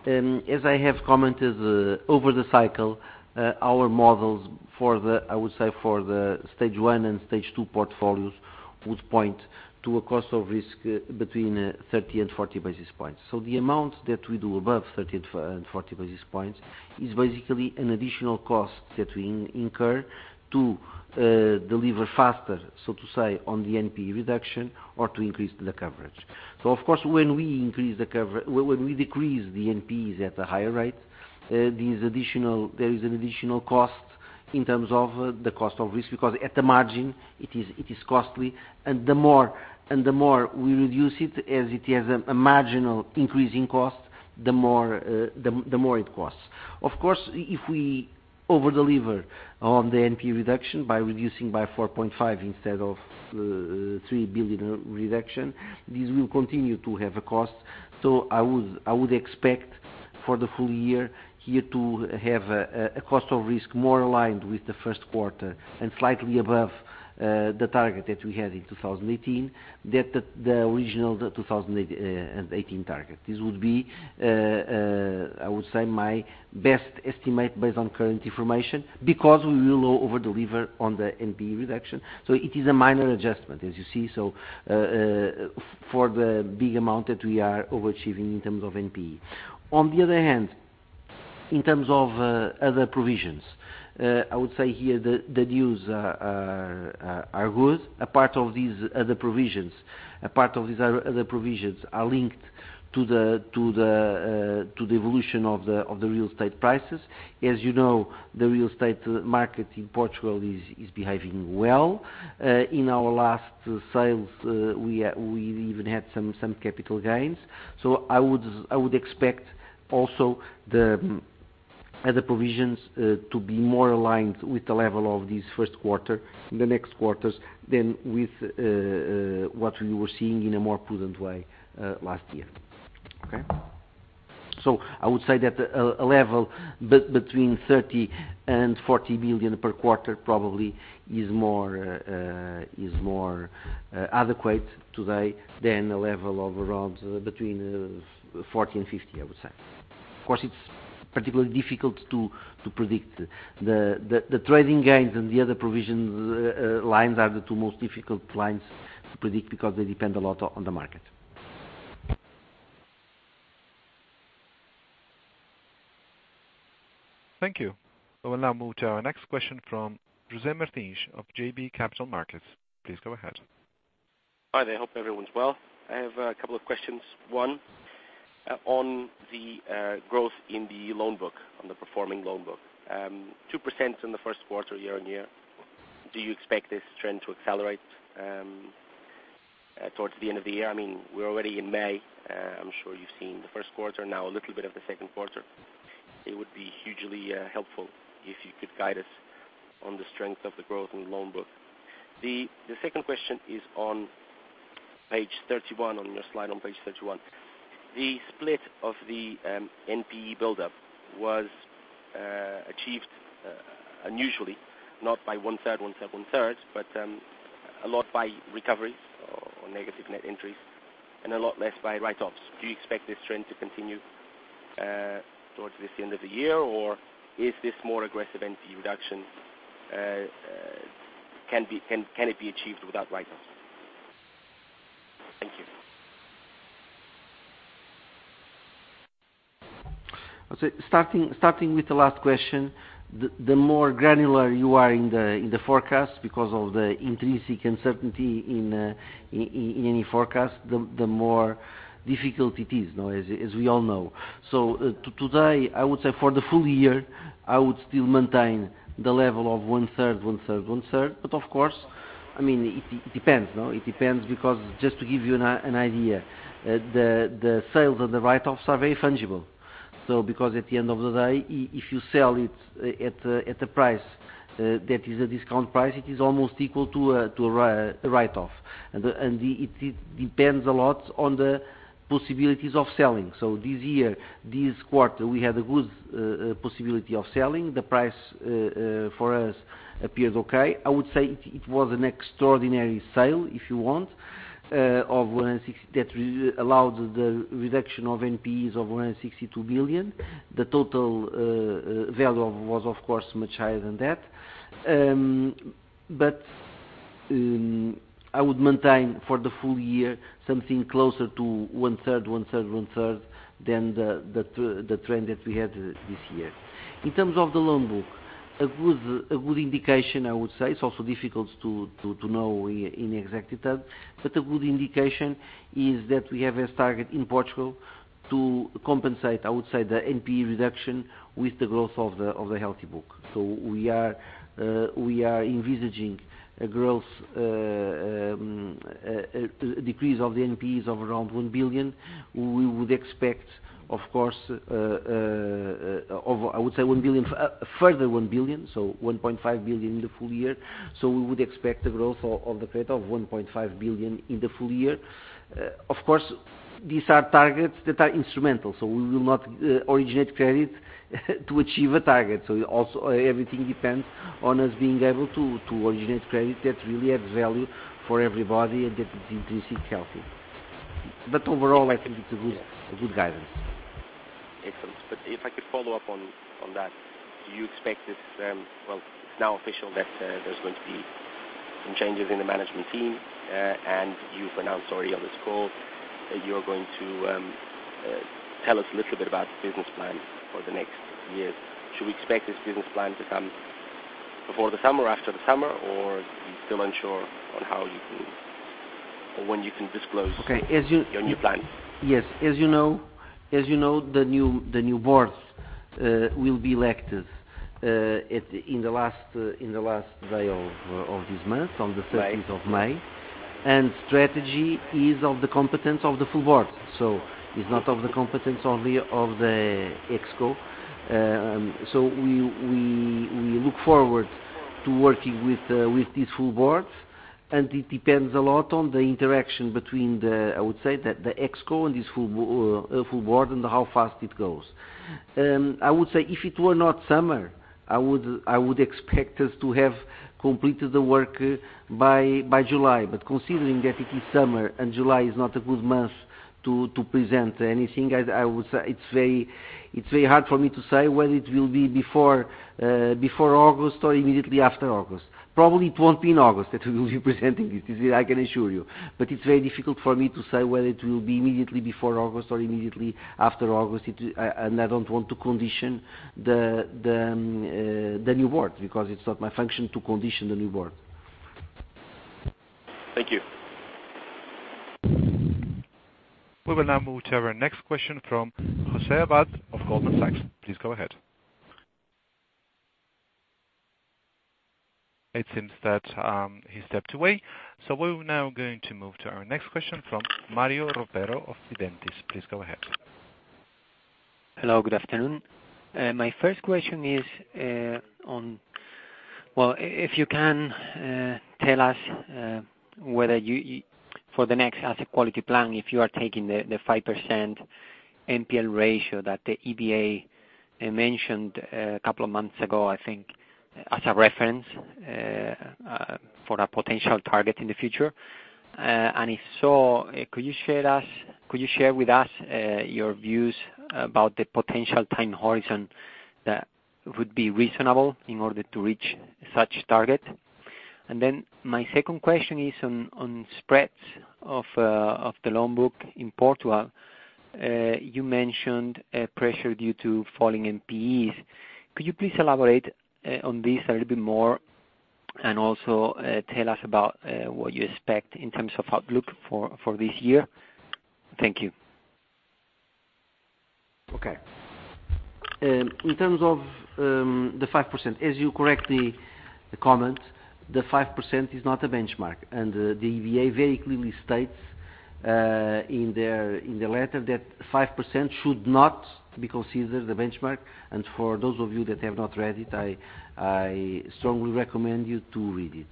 as I have commented over the cycle, our models, I would say for the stage 1 and stage 2 portfolios would point to a cost of risk between 30 and 40 basis points. The amount that we do above 30 and 40 basis points is basically an additional cost that we incur to deliver faster, so to say, on the NPE reduction or to increase the coverage. Of course, when we decrease the NPEs at a higher rate, there is an additional cost in terms of the cost of risk, because at the margin it is costly and the more we reduce it, as it has a marginal increase in cost, the more it costs. Of course, if we over-deliver on the NPE reduction by reducing by 4.5 billion instead of 3 billion reduction, this will continue to have a cost. I would expect for the full year to have a cost of risk more aligned with the first quarter and slightly above the target that we had in 2018, the original 2018 target. This would be, I would say, my best estimate based on current information because we will over-deliver on the NPE reduction. It is a minor adjustment, as you see, for the big amount that we are overachieving in terms of NPE. On the other hand, in terms of other provisions, I would say here the news are good. A part of these other provisions are linked to the evolution of the real estate prices. As you know, the real estate market in Portugal is behaving well. In our last sales, we even had some capital gains. I would expect also the other provisions to be more aligned with the level of this first quarter in the next quarters than with what we were seeing in a more prudent way last year. Okay. I would say that a level between 30 million and 40 million per quarter probably is more adequate today than a level of around between 40 million and 50 million, I would say. Of course, it is particularly difficult to predict. The trading gains and the other provision lines are the two most difficult lines to predict because they depend a lot on the market. Thank you. I will now move to our next question from José Martins of JB Capital Markets. Please go ahead. Hi there. Hope everyone's well. I have a couple of questions. One, on the growth in the loan book, on the performing loan book, 2% in the first quarter year-on-year. Do you expect this trend to accelerate towards the end of the year? We are already in May. I am sure you have seen the first quarter now, a little bit of the second quarter. It would be hugely helpful if you could guide us on the strength of the growth in the loan book. The second question is on page 31, on your slide on page 31. The split of the NPE buildup was achieved unusually, not by one third, one third, one third, but a lot by recoveries or negative net entries and a lot less by write-offs. Do you expect this trend to continue towards this end of the year? Is this more aggressive NPE reduction, can it be achieved without write-offs? Thank you. Starting with the last question, the more granular you are in the forecast because of the intrinsic uncertainty in any forecast, the more difficult it is, as we all know. Today, I would say for the full year, I would still maintain the level of one third, one third, one third. Of course, it depends because just to give you an idea, the sales and the write-offs are very fungible. Because at the end of the day, if you sell it at a price that is a discount price, it is almost equal to a write-off. It depends a lot on the possibilities of selling. This year, this quarter, we had a good possibility of selling. The price for us appears okay. I would say it was an extraordinary sale, if you want, that allowed the reduction of NPEs of 162 billion. The total value was, of course, much higher than that. I would maintain for the full year, something closer to one third, one third, one third than the trend that we had this year. In terms of the loan book, a good indication, I would say, it's also difficult to know in executive terms, but a good indication is that we have as target in Portugal to compensate, I would say, the NPE reduction with the growth of the healthy book. We are envisaging a decrease of the NPEs of around 1 billion. We would expect, of course, I would say a further 1 billion, 1.5 billion in the full year. We would expect the growth of the credit of 1.5 billion in the full year. Of course, these are targets that are instrumental, so we will not originate credit to achieve a target. Everything depends on us being able to originate credit that really adds value for everybody and that is intrinsically healthy. Overall, I think it's a good guidance. Excellent. If I could follow up on that, do you expect this, well, it's now official that there's going to be some changes in the management team, and you've announced already on this call that you're going to tell us a little bit about the business plan for the next years. Should we expect this business plan to come before the summer, after the summer, or are you still unsure on how you can when you can disclose your new plan? Yes. As you know, the new board will be elected in the last day of this month, on the 30th of May. Right. Strategy is of the competence of the full board. It's not of the competence of the ExCo. We look forward to working with this full board, and it depends a lot on the interaction between the, I would say, the ExCo and this full board, and how fast it goes. I would say if it were not summer, I would expect us to have completed the work by July. Considering that it is summer and July is not a good month to present anything, it's very hard for me to say whether it will be before August or immediately after August. Probably it won't be in August that we will be presenting this, I can assure you. It's very difficult for me to say whether it will be immediately before August or immediately after August. I don't want to condition the new board, because it's not my function to condition the new board. Thank you. We will now move to our next question from José Abad of Goldman Sachs. Please go ahead. It seems that he stepped away. We're now going to move to our next question from Mário Roberto of Gidentis. Please go ahead. Hello, good afternoon. My first question is, if you can tell us whether for the next asset quality plan, if you are taking the 5% NPL ratio that the EBA mentioned a couple of months ago, I think, as a reference for a potential target in the future. If so, could you share with us your views about the potential time horizon that would be reasonable in order to reach such target? My second question is on spreads of the loan book in Portugal. You mentioned pressure due to falling NPEs. Could you please elaborate on this a little bit more, and also tell us about what you expect in terms of outlook for this year? Thank you. Okay. In terms of the 5%, as you correctly comment, the 5% is not a benchmark. The EBA very clearly states in the letter that 5% should not be considered the benchmark. For those of you that have not read it, I strongly recommend you to read it.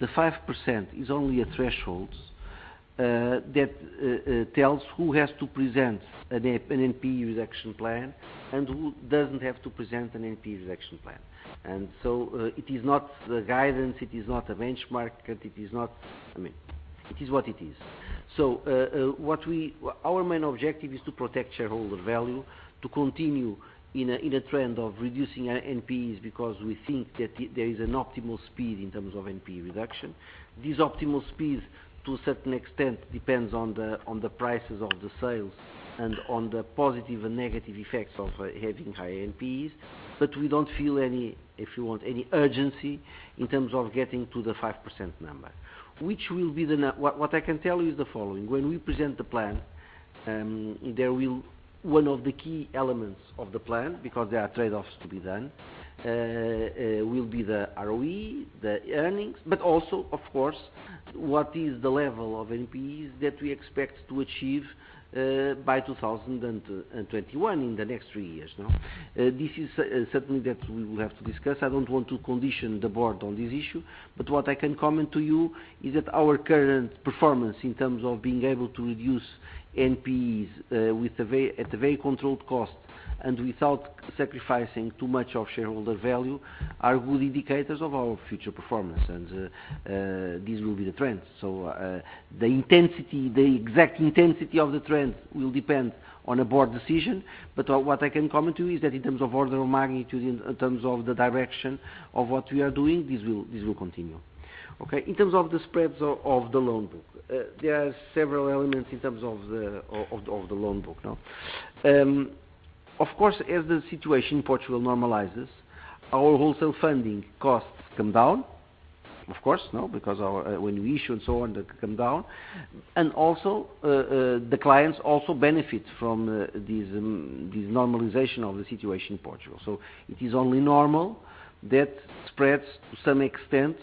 The 5% is only a threshold that tells who has to present an NPE reduction plan and who doesn't have to present an NPE reduction plan. It is not the guidance, it is not a benchmark. It is what it is. Our main objective is to protect shareholder value, to continue in a trend of reducing NPEs because we think that there is an optimal speed in terms of NPE reduction. This optimal speed, to a certain extent, depends on the prices of the sales and on the positive and negative effects of having high NPEs. We don't feel any, if you want, any urgency in terms of getting to the 5%. What I can tell you is the following. When we present the plan, one of the key elements of the plan, because there are trade-offs to be done, will be the ROE, the earnings. Also, of course, what is the level of NPEs that we expect to achieve by 2021, in the next three years. This is certainly that we will have to discuss. I don't want to condition the board on this issue. What I can comment to you is that our current performance in terms of being able to reduce NPEs at a very controlled cost and without sacrificing too much of shareholder value are good indicators of our future performance. This will be the trend. The exact intensity of the trend will depend on a board decision. What I can comment to you is that in terms of order of magnitude, in terms of the direction of what we are doing, this will continue. Okay? In terms of the spreads of the loan book, there are several elements in terms of the loan book. Of course, as the situation in Portugal normalizes, our wholesale funding costs come down. Of course, because when we issue and so on, that come down. Also, the clients also benefit from this normalization of the situation in Portugal. It is only normal that spreads, to some extent,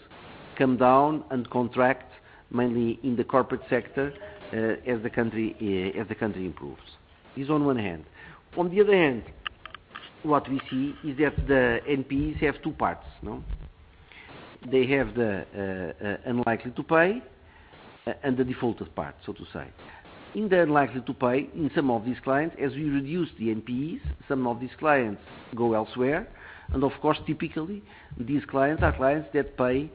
come down and contract mainly in the corporate sector as the country improves. This on one hand. On the other hand, what we see is that the NPEs have two parts. They have the unlikely to pay and the defaulter part, so to say. In the unlikely to pay, in some of these clients, as we reduce the NPEs, some of these clients go elsewhere. Of course, typically, these clients are clients that pay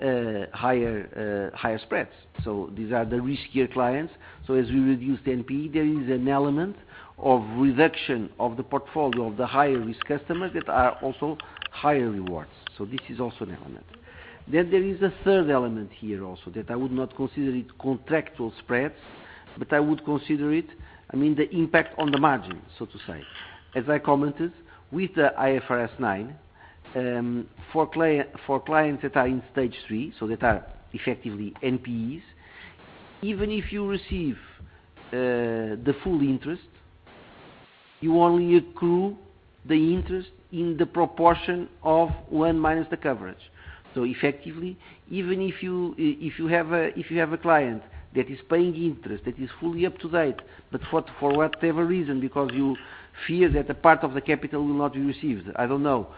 higher spreads. These are the riskier clients. As we reduce the NPE, there is an element of reduction of the portfolio of the higher-risk customers that are also higher rewards. This is also an element. There is a third element here also that I would not consider it contractual spreads, but I would consider it the impact on the margin, so to say. As I commented, with the IFRS 9. For clients that are in stage 3, so that are effectively NPEs, even if you receive the full interest, you only accrue the interest in the proportion of one minus the coverage. Effectively, even if you have a client that is paying interest, that is fully up to date, but for whatever reason, because you fear that a part of the capital will not be received, I don't know,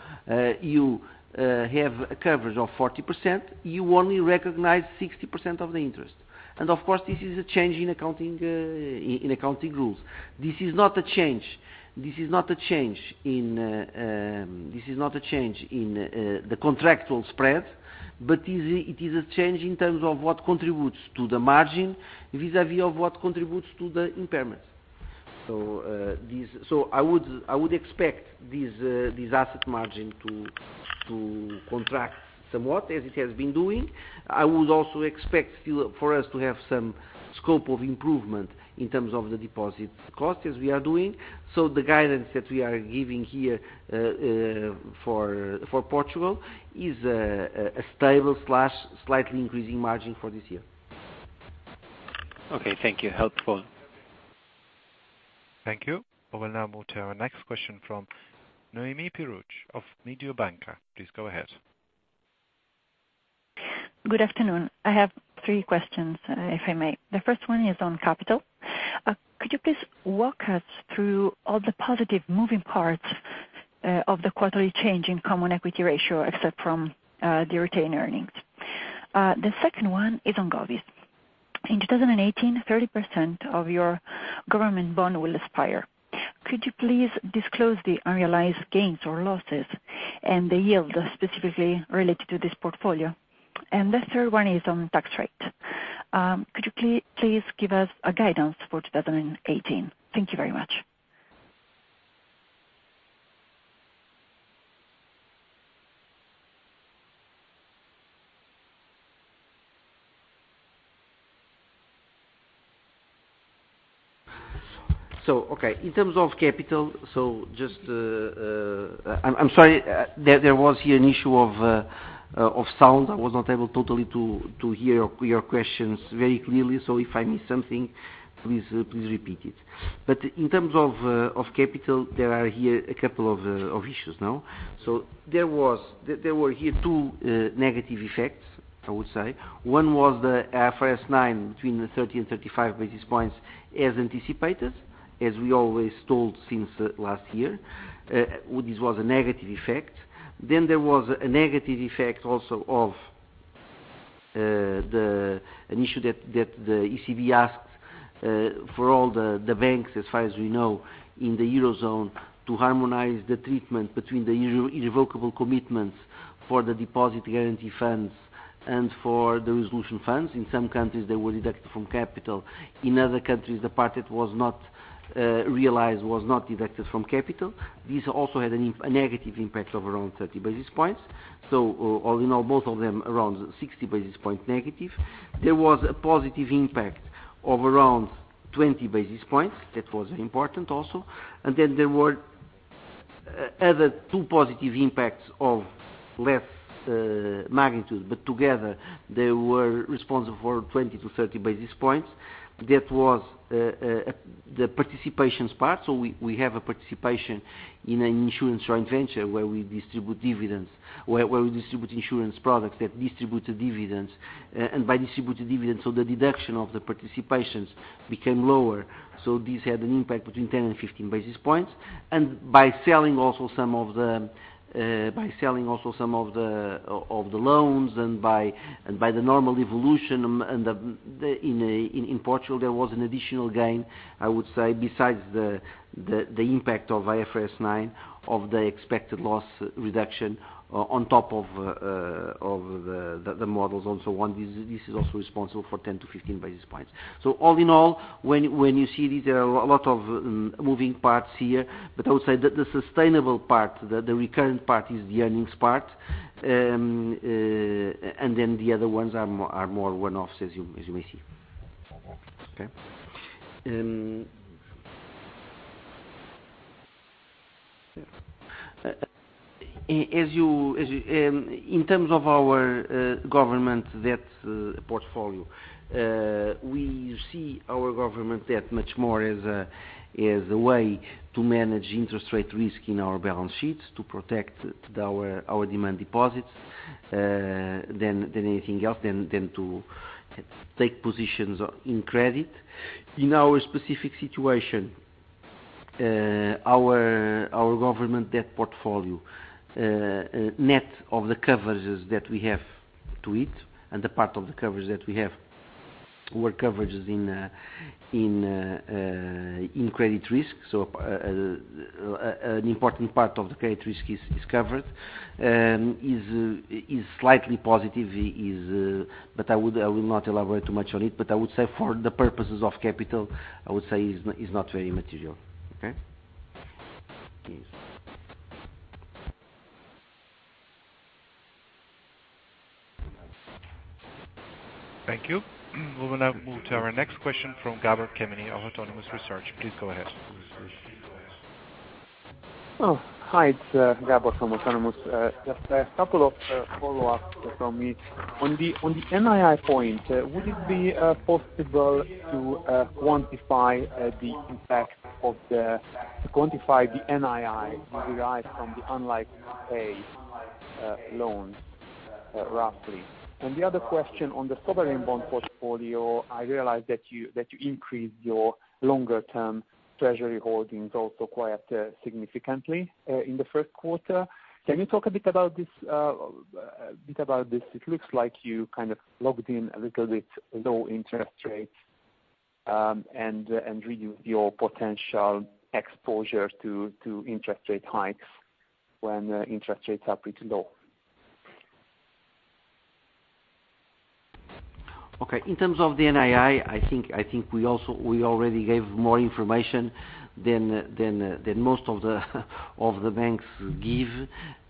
you have a coverage of 40%, you only recognize 60% of the interest. Of course, this is a change in accounting rules. This is not a change in the contractual spread, but it is a change in terms of what contributes to the margin vis-a-vis of what contributes to the impairment. I would expect this asset margin to contract somewhat as it has been doing. I would also expect still for us to have some scope of improvement in terms of the deposit cost as we are doing. The guidance that we are giving here for Portugal is a stable/slightly increasing margin for this year. Okay. Thank you. Helpful. Thank you. We will now move to our next question from Noemi Peruch of Mediobanca. Please go ahead. Good afternoon. I have three questions, if I may. The first one is on capital. Could you please walk us through all the positive moving parts of the quarterly change in common equity ratio, except from the retained earnings? The second one is on GOVI. In 2018, 30% of your government bond will expire. Could you please disclose the unrealized gains or losses and the yield specifically related to this portfolio? The third one is on tax rate. Could you please give us a guidance for 2018? Thank you very much. Okay, in terms of capital, I'm sorry, there was here an issue of sound. I was not able totally to hear your questions very clearly. If I miss something, please repeat it. In terms of capital, there are here a couple of issues now. There were here two negative effects, I would say. One was the IFRS 9 between the 30 and 35 basis points as anticipated, as we always told since last year. This was a negative effect. Then there was a negative effect also of an issue that the ECB asked for all the banks, as far as we know, in the Eurozone to harmonize the treatment between the irrevocable commitments for the Deposit Guarantee Funds and for the Resolution Funds. In some countries, they were deducted from capital. In other countries, the part that was not realized was not deducted from capital. This also had a negative impact of around 30 basis points. All in all, both of them around 60 basis points negative. There was a positive impact of around 20 basis points. That was important also. There were other two positive impacts of less magnitude, but together they were responsible for 20-30 basis points. That was the participations part. We have a participation in an insurance joint venture where we distribute insurance products that distributed dividends. By distributed dividends, the deduction of the participations became lower. This had an impact between 10 and 15 basis points. By selling also some of the loans and by the normal evolution in Portugal, there was an additional gain, I would say, besides the impact of IFRS 9 of the expected loss reduction on top of the models also. This is also responsible for 10-15 basis points. All in all, when you see there are a lot of moving parts here, but I would say that the sustainable part, the recurrent part is the earnings part. The other ones are more one-offs as you may see. In terms of our government debt portfolio, we see our government debt much more as a way to manage interest rate risk in our balance sheets to protect our demand deposits than anything else, than to take positions in credit. In our specific situation, our government debt portfolio, net of the coverages that we have to it, and the part of the coverage that we have were coverages in credit risk, so an important part of the credit risk is covered, is slightly positive. But I will not elaborate too much on it. I would say for the purposes of capital, I would say is not very material. Okay? Thank you. We will now move to our next question from Gabor Kemeny of Autonomous Research. Please go ahead. Hi. It's Gabor from Autonomous. Just a couple of follow-ups from me. On the NII point, would it be possible to quantify the impact of the NII derived from the unlikely to pay loans, roughly? The other question on the sovereign bond portfolio, I realized that you increased your longer-term treasury holdings also quite significantly in the first quarter. Can you talk a bit about this? It looks like you kind of locked in a little bit low interest rates, and reduced your potential exposure to interest rate hikes when interest rates are pretty low. In terms of the NII, I think we already gave more information than most of the banks give,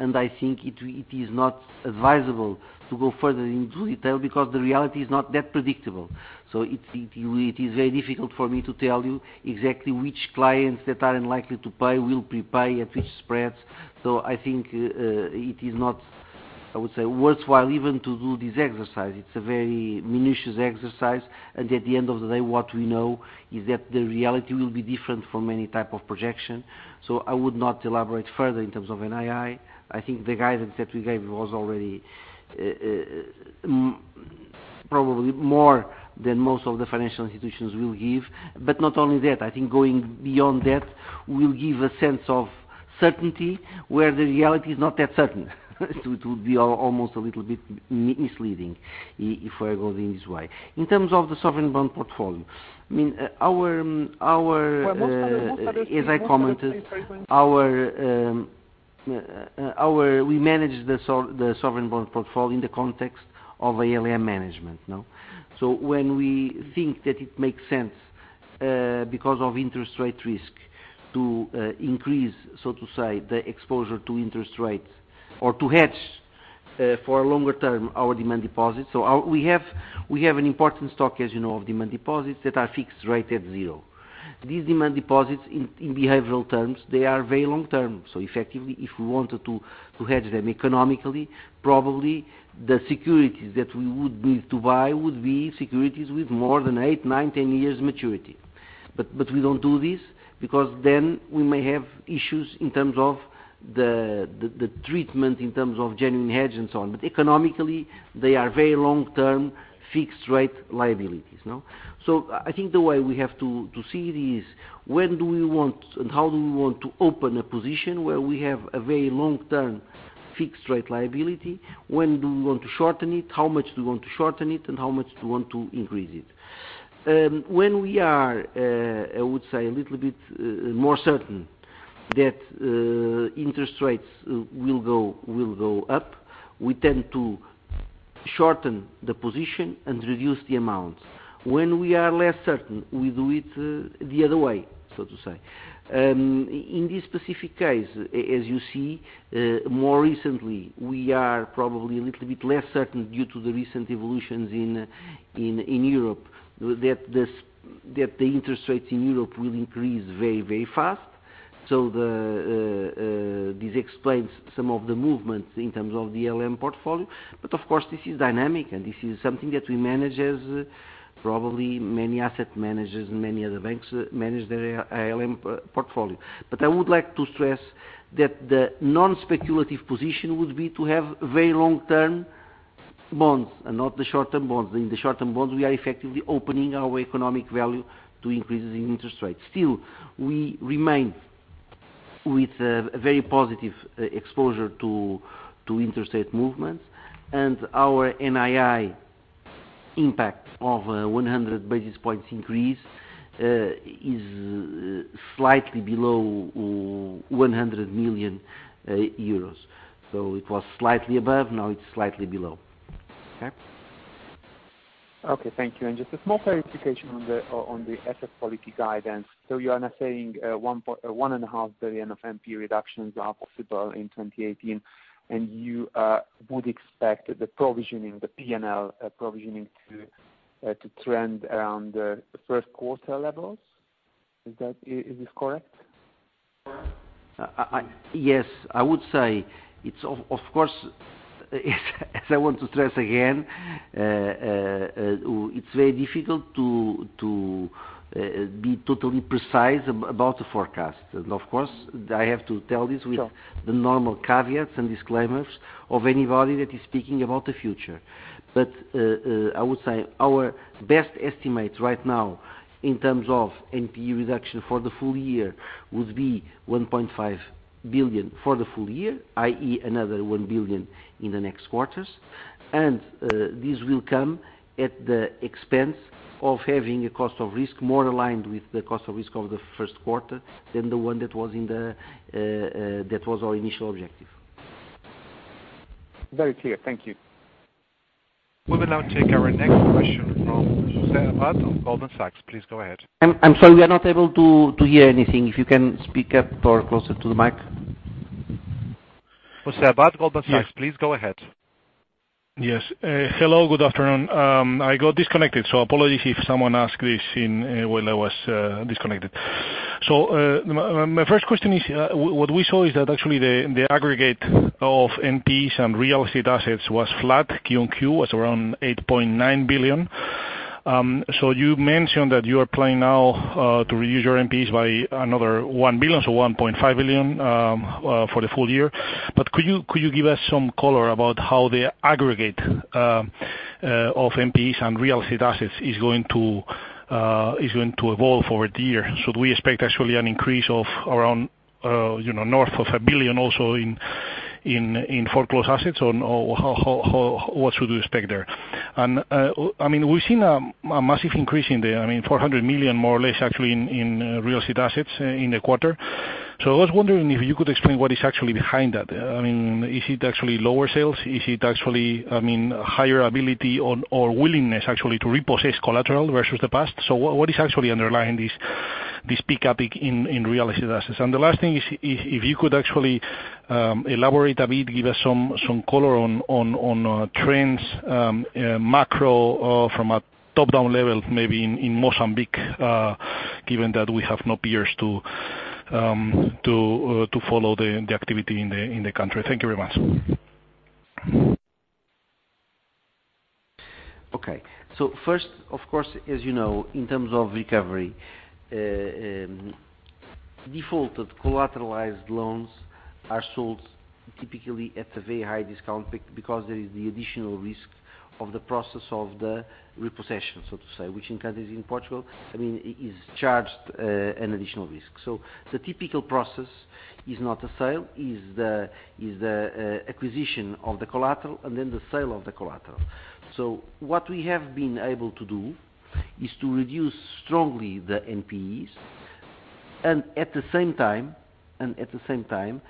I think it is not advisable to go further into detail because the reality is not that predictable. It is very difficult for me to tell you exactly which clients that are unlikely to pay will prepay, at which spreads. I think it is not, I would say, worthwhile even to do this exercise. It's a very minacious exercise, at the end of the day, what we know is that the reality will be different from any type of projection. I would not elaborate further in terms of NII. I think the guidance that we gave was already probably more than most of the financial institutions will give. Not only that, I think going beyond that will give a sense of certainty where the reality is not that certain. It will be almost a little bit misleading if we are going this way. In terms of the sovereign bond portfolio, as I commented, we manage the sovereign bond portfolio in the context of ALM management. When we think that it makes sense because of interest rate risk to increase, so to say, the exposure to interest rates or to hedge for a longer term our demand deposits. We have an important stock, as you know, of demand deposits that are fixed rate at zero. These demand deposits, in behavioral terms, they are very long term. Effectively, if we wanted to hedge them economically, probably the securities that we would need to buy would be securities with more than eight, nine, 10 years maturity. We don't do this because then we may have issues in terms of the treatment in terms of genuine hedge and so on. Economically, they are very long-term fixed rate liabilities. I think the way we have to see it is when do we want, how do we want to open a position where we have a very long-term fixed rate liability? When do we want to shorten it? How much do we want to shorten it, how much do we want to increase it? When we are, I would say, a little bit more certain that interest rates will go up, we tend to shorten the position and reduce the amounts. When we are less certain, we do it the other way, so to say. In this specific case, as you see, more recently, we are probably a little bit less certain due to the recent evolutions in Europe that the interest rates in Europe will increase very fast. This explains some of the movements in terms of the ALM portfolio. Of course, this is dynamic and this is something that we manage as probably many asset managers and many other banks manage their ALM portfolio. I would like to stress that the non-speculative position would be to have very long-term bonds and not the short-term bonds. In the short-term bonds, we are effectively opening our economic value to increases in interest rates. Still, we remain with a very positive exposure to interest rate movements, and our NII impact of 100 basis points increase is slightly below 100 million euros. It was slightly above, now it's slightly below. Okay? Okay, thank you. Just a small clarification on the asset quality guidance. You are now saying 1.5 billion of NP reductions are possible in 2018, and you would expect the P&L provisioning to trend around the first quarter levels? Is this correct? Yes. I would say it's, of course, as I want to stress again, it's very difficult to be totally precise about the forecast. Of course, I have to tell this with the normal caveats and disclaimers of anybody that is speaking about the future. I would say our best estimate right now in terms of NPE reduction for the full year would be 1.5 billion for the full year, i.e., another 1 billion in the next quarters. This will come at the expense of having a cost of risk more aligned with the cost of risk of the first quarter than the one that was our initial objective. Very clear. Thank you. We will now take our next question from José Abad of Goldman Sachs. Please go ahead. I'm sorry, we are not able to hear anything. If you can speak up or closer to the mic. José Abad, Goldman Sachs. Yes. Please go ahead. Yes. Hello, good afternoon. I got disconnected. Apologies if someone asked this while I was disconnected. My first question is, what we saw is that actually the aggregate of NPEs and real estate assets was flat QOQ, was around 8.9 billion. You mentioned that you are planning now to reduce your NPEs by another 1 billion, 1.5 billion for the full year. Could you give us some color about how the aggregate of NPEs and real estate assets is going to evolve over the year? Should we expect actually an increase of around north of 1 billion also in foreclosed assets? What should we expect there? We've seen a massive increase in the 400 million more or less actually in real estate assets in the quarter. I was wondering if you could explain what is actually behind that. Is it actually lower sales? Is it actually higher ability or willingness actually to repossess collateral versus the past? What is actually underlying this peak equity in real estate assets? The last thing is, if you could actually elaborate a bit, give us some color on trends, macro from a top-down level, maybe in Mozambique, given that we have no peers to follow the activity in the country. Thank you very much. Okay. First, of course, as you know, in terms of recovery, defaulted collateralized loans are sold typically at a very high discount because there is the additional risk of the process of the repossession, so to say, which in countries in Portugal, is charged an additional risk. The typical process is not a sale, is the acquisition of the collateral, and then the sale of the collateral. What we have been able to do is to reduce strongly the NPEs, and at the same time,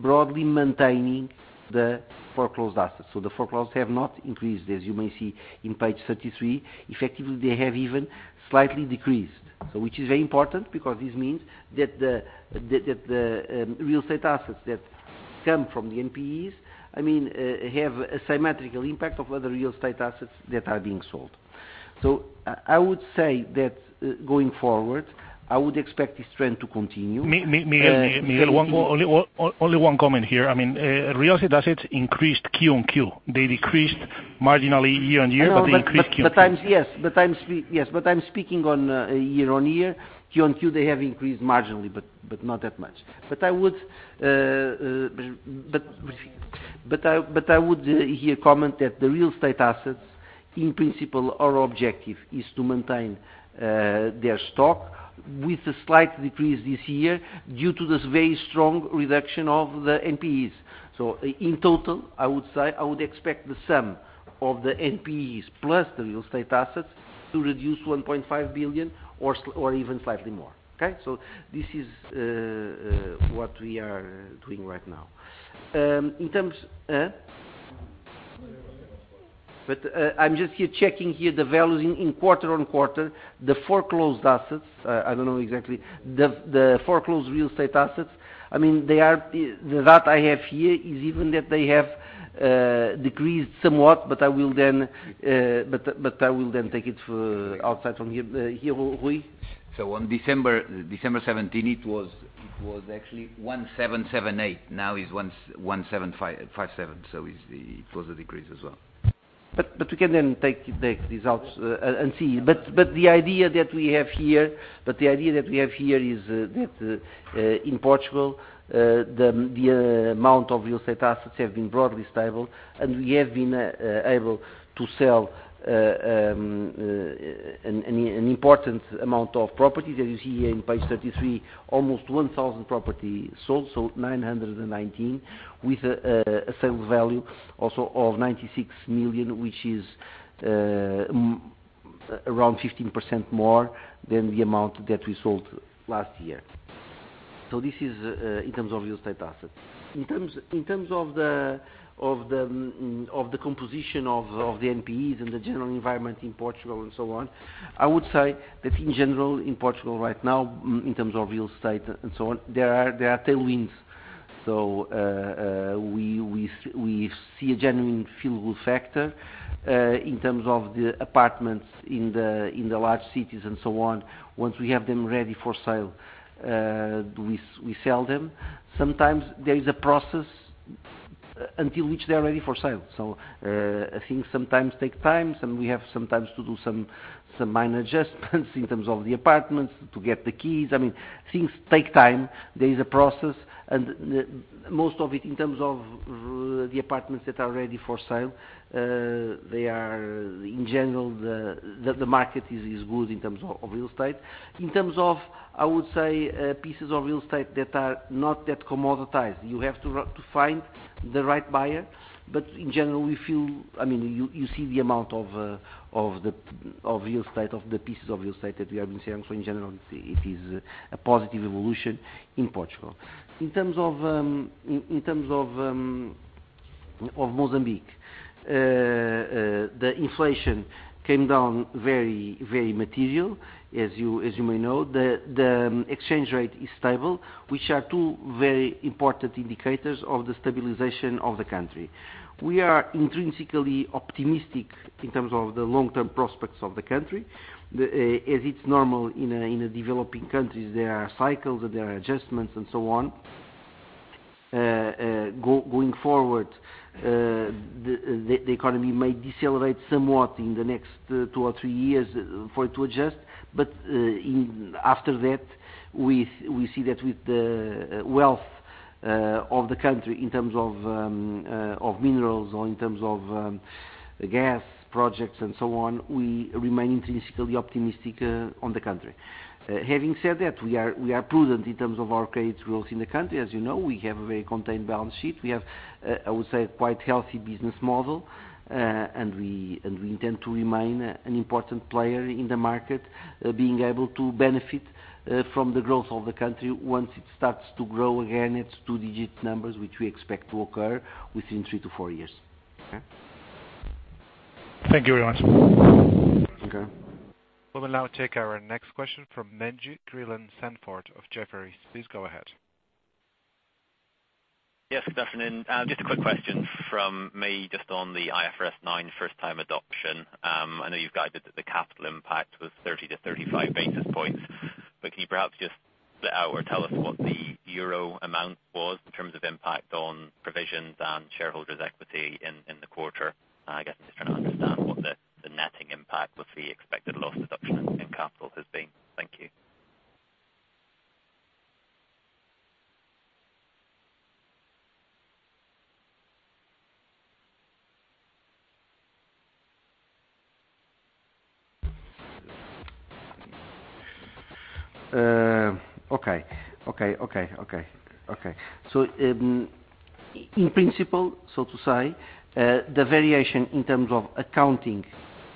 broadly maintaining the foreclosed assets. The foreclosed have not increased, as you may see on page 33. Effectively, they have even slightly decreased. Which is very important because this means that the real estate assets that come from the NPEs have a symmetrical impact of other real estate assets that are being sold. I would say that going forward, I would expect this trend to continue. Miguel, only one comment here. Real estate assets increased QOQ. They decreased marginally year-on-year, they increased QOQ. Yes. I'm speaking on a year-on-year. quarter-over-quarter, they have increased marginally, but not that much. I would here comment that the real estate assets, in principle, our objective is to maintain their stock with a slight decrease this year due to this very strong reduction of the NPEs. So in total, I would expect the sum of the NPEs plus the real estate assets to reduce to 1.5 billion or even slightly more. Okay? So this is what we are doing right now. In terms Huh? I'm just here checking here the values in quarter-on-quarter, the foreclosed assets, I don't know exactly. The foreclosed real estate assets, that I have here is even that they have decreased somewhat, I will then take it outside from here. Rui? So on December 17, it was actually 1,778. Now it's 1,757, so it was a decrease as well. We can then take these out and see. The idea that we have here is that in Portugal, the amount of real estate assets have been broadly stable, and we have been able to sell an important amount of properties. As you see here on page 33, almost 1,000 properties sold, so 919, with a sales value also of 96 million, which is around 15% more than the amount that we sold last year. So this is in terms of real estate assets. In terms of the composition of the NPEs and the general environment in Portugal and so on, I would say that in general, in Portugal right now, in terms of real estate and so on, there are tailwinds. So we see a genuine feel-good factor, in terms of the apartments in the large cities and so on. Once we have them ready for sale, we sell them. Sometimes there is a process until which they are ready for sale. So things sometimes take time, and we have sometimes to do some minor adjustments in terms of the apartments to get the keys. Things take time. There is a process, and most of it in terms of the apartments that are ready for sale, they are in general, the market is good in terms of real estate. In terms of, I would say, pieces of real estate that are not that commoditized, you have to find the right buyer. In general, we feel-- you see the amount of the pieces of real estate that we have been seeing. So in general, it is a positive evolution in Portugal. Of Mozambique. The inflation came down very material, as you may know. The exchange rate is stable, which are two very important indicators of the stabilization of the country. We are intrinsically optimistic in terms of the long-term prospects of the country. As it's normal in the developing countries, there are cycles, there are adjustments and so on. Going forward, the economy may decelerate somewhat in the next two or three years for it to adjust. After that, we see that with the wealth of the country in terms of minerals, or in terms of gas projects and so on, we remain intrinsically optimistic on the country. Having said that, we are prudent in terms of our credit growth in the country. As you know, we have a very contained balance sheet. We have, I would say, quite healthy business model. We intend to remain an important player in the market, being able to benefit from the growth of the country once it starts to grow again its two-digit numbers, which we expect to occur within three to four years. Thank you very much. Okay. We'll now take our next question from Manj Dhillon, Sanford of Jefferies. Please go ahead. Yes, good afternoon. Just a quick question from me, just on the IFRS 9 first-time adoption. I know you've guided that the capital impact was 30 to 35 basis points, but can you perhaps just split out or tell us what the euro amount was in terms of impact on provisions and shareholders' equity in the quarter? I guess I'm just trying to understand what the netting impact with the expected loss deduction in capital has been. Thank you. Okay. In principle, so to say, the variation in terms of accounting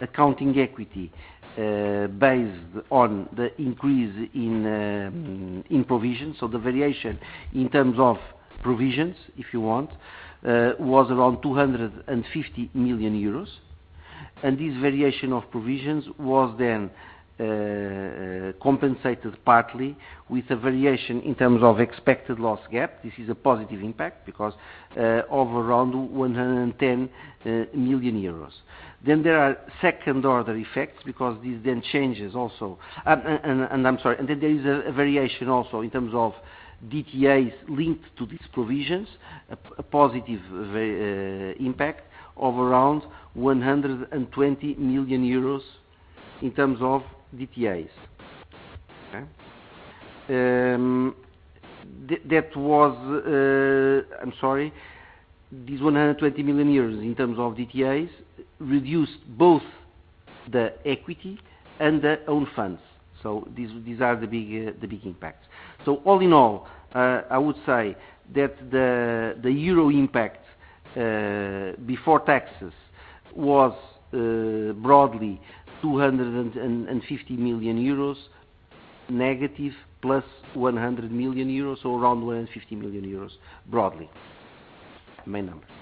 equity based on the increase in provisions or the variation in terms of provisions, if you want, was around 250 million euros. This variation of provisions was compensated partly with a variation in terms of expected loss gap. This is a positive impact because of around 110 million euros. There are second-order effects because this then changes also. I'm sorry. There is a variation also in terms of DTAs linked to these provisions, a positive impact of around 120 million euros in terms of DTAs. Okay. I'm sorry. This EUR 120 million in terms of DTAs reduced both the equity and the own funds. These are the big impacts. All in all, I would say that the euro impact before taxes was broadly 250 million euros negative plus 100 million euros, around 150 million euros broadly. My numbers.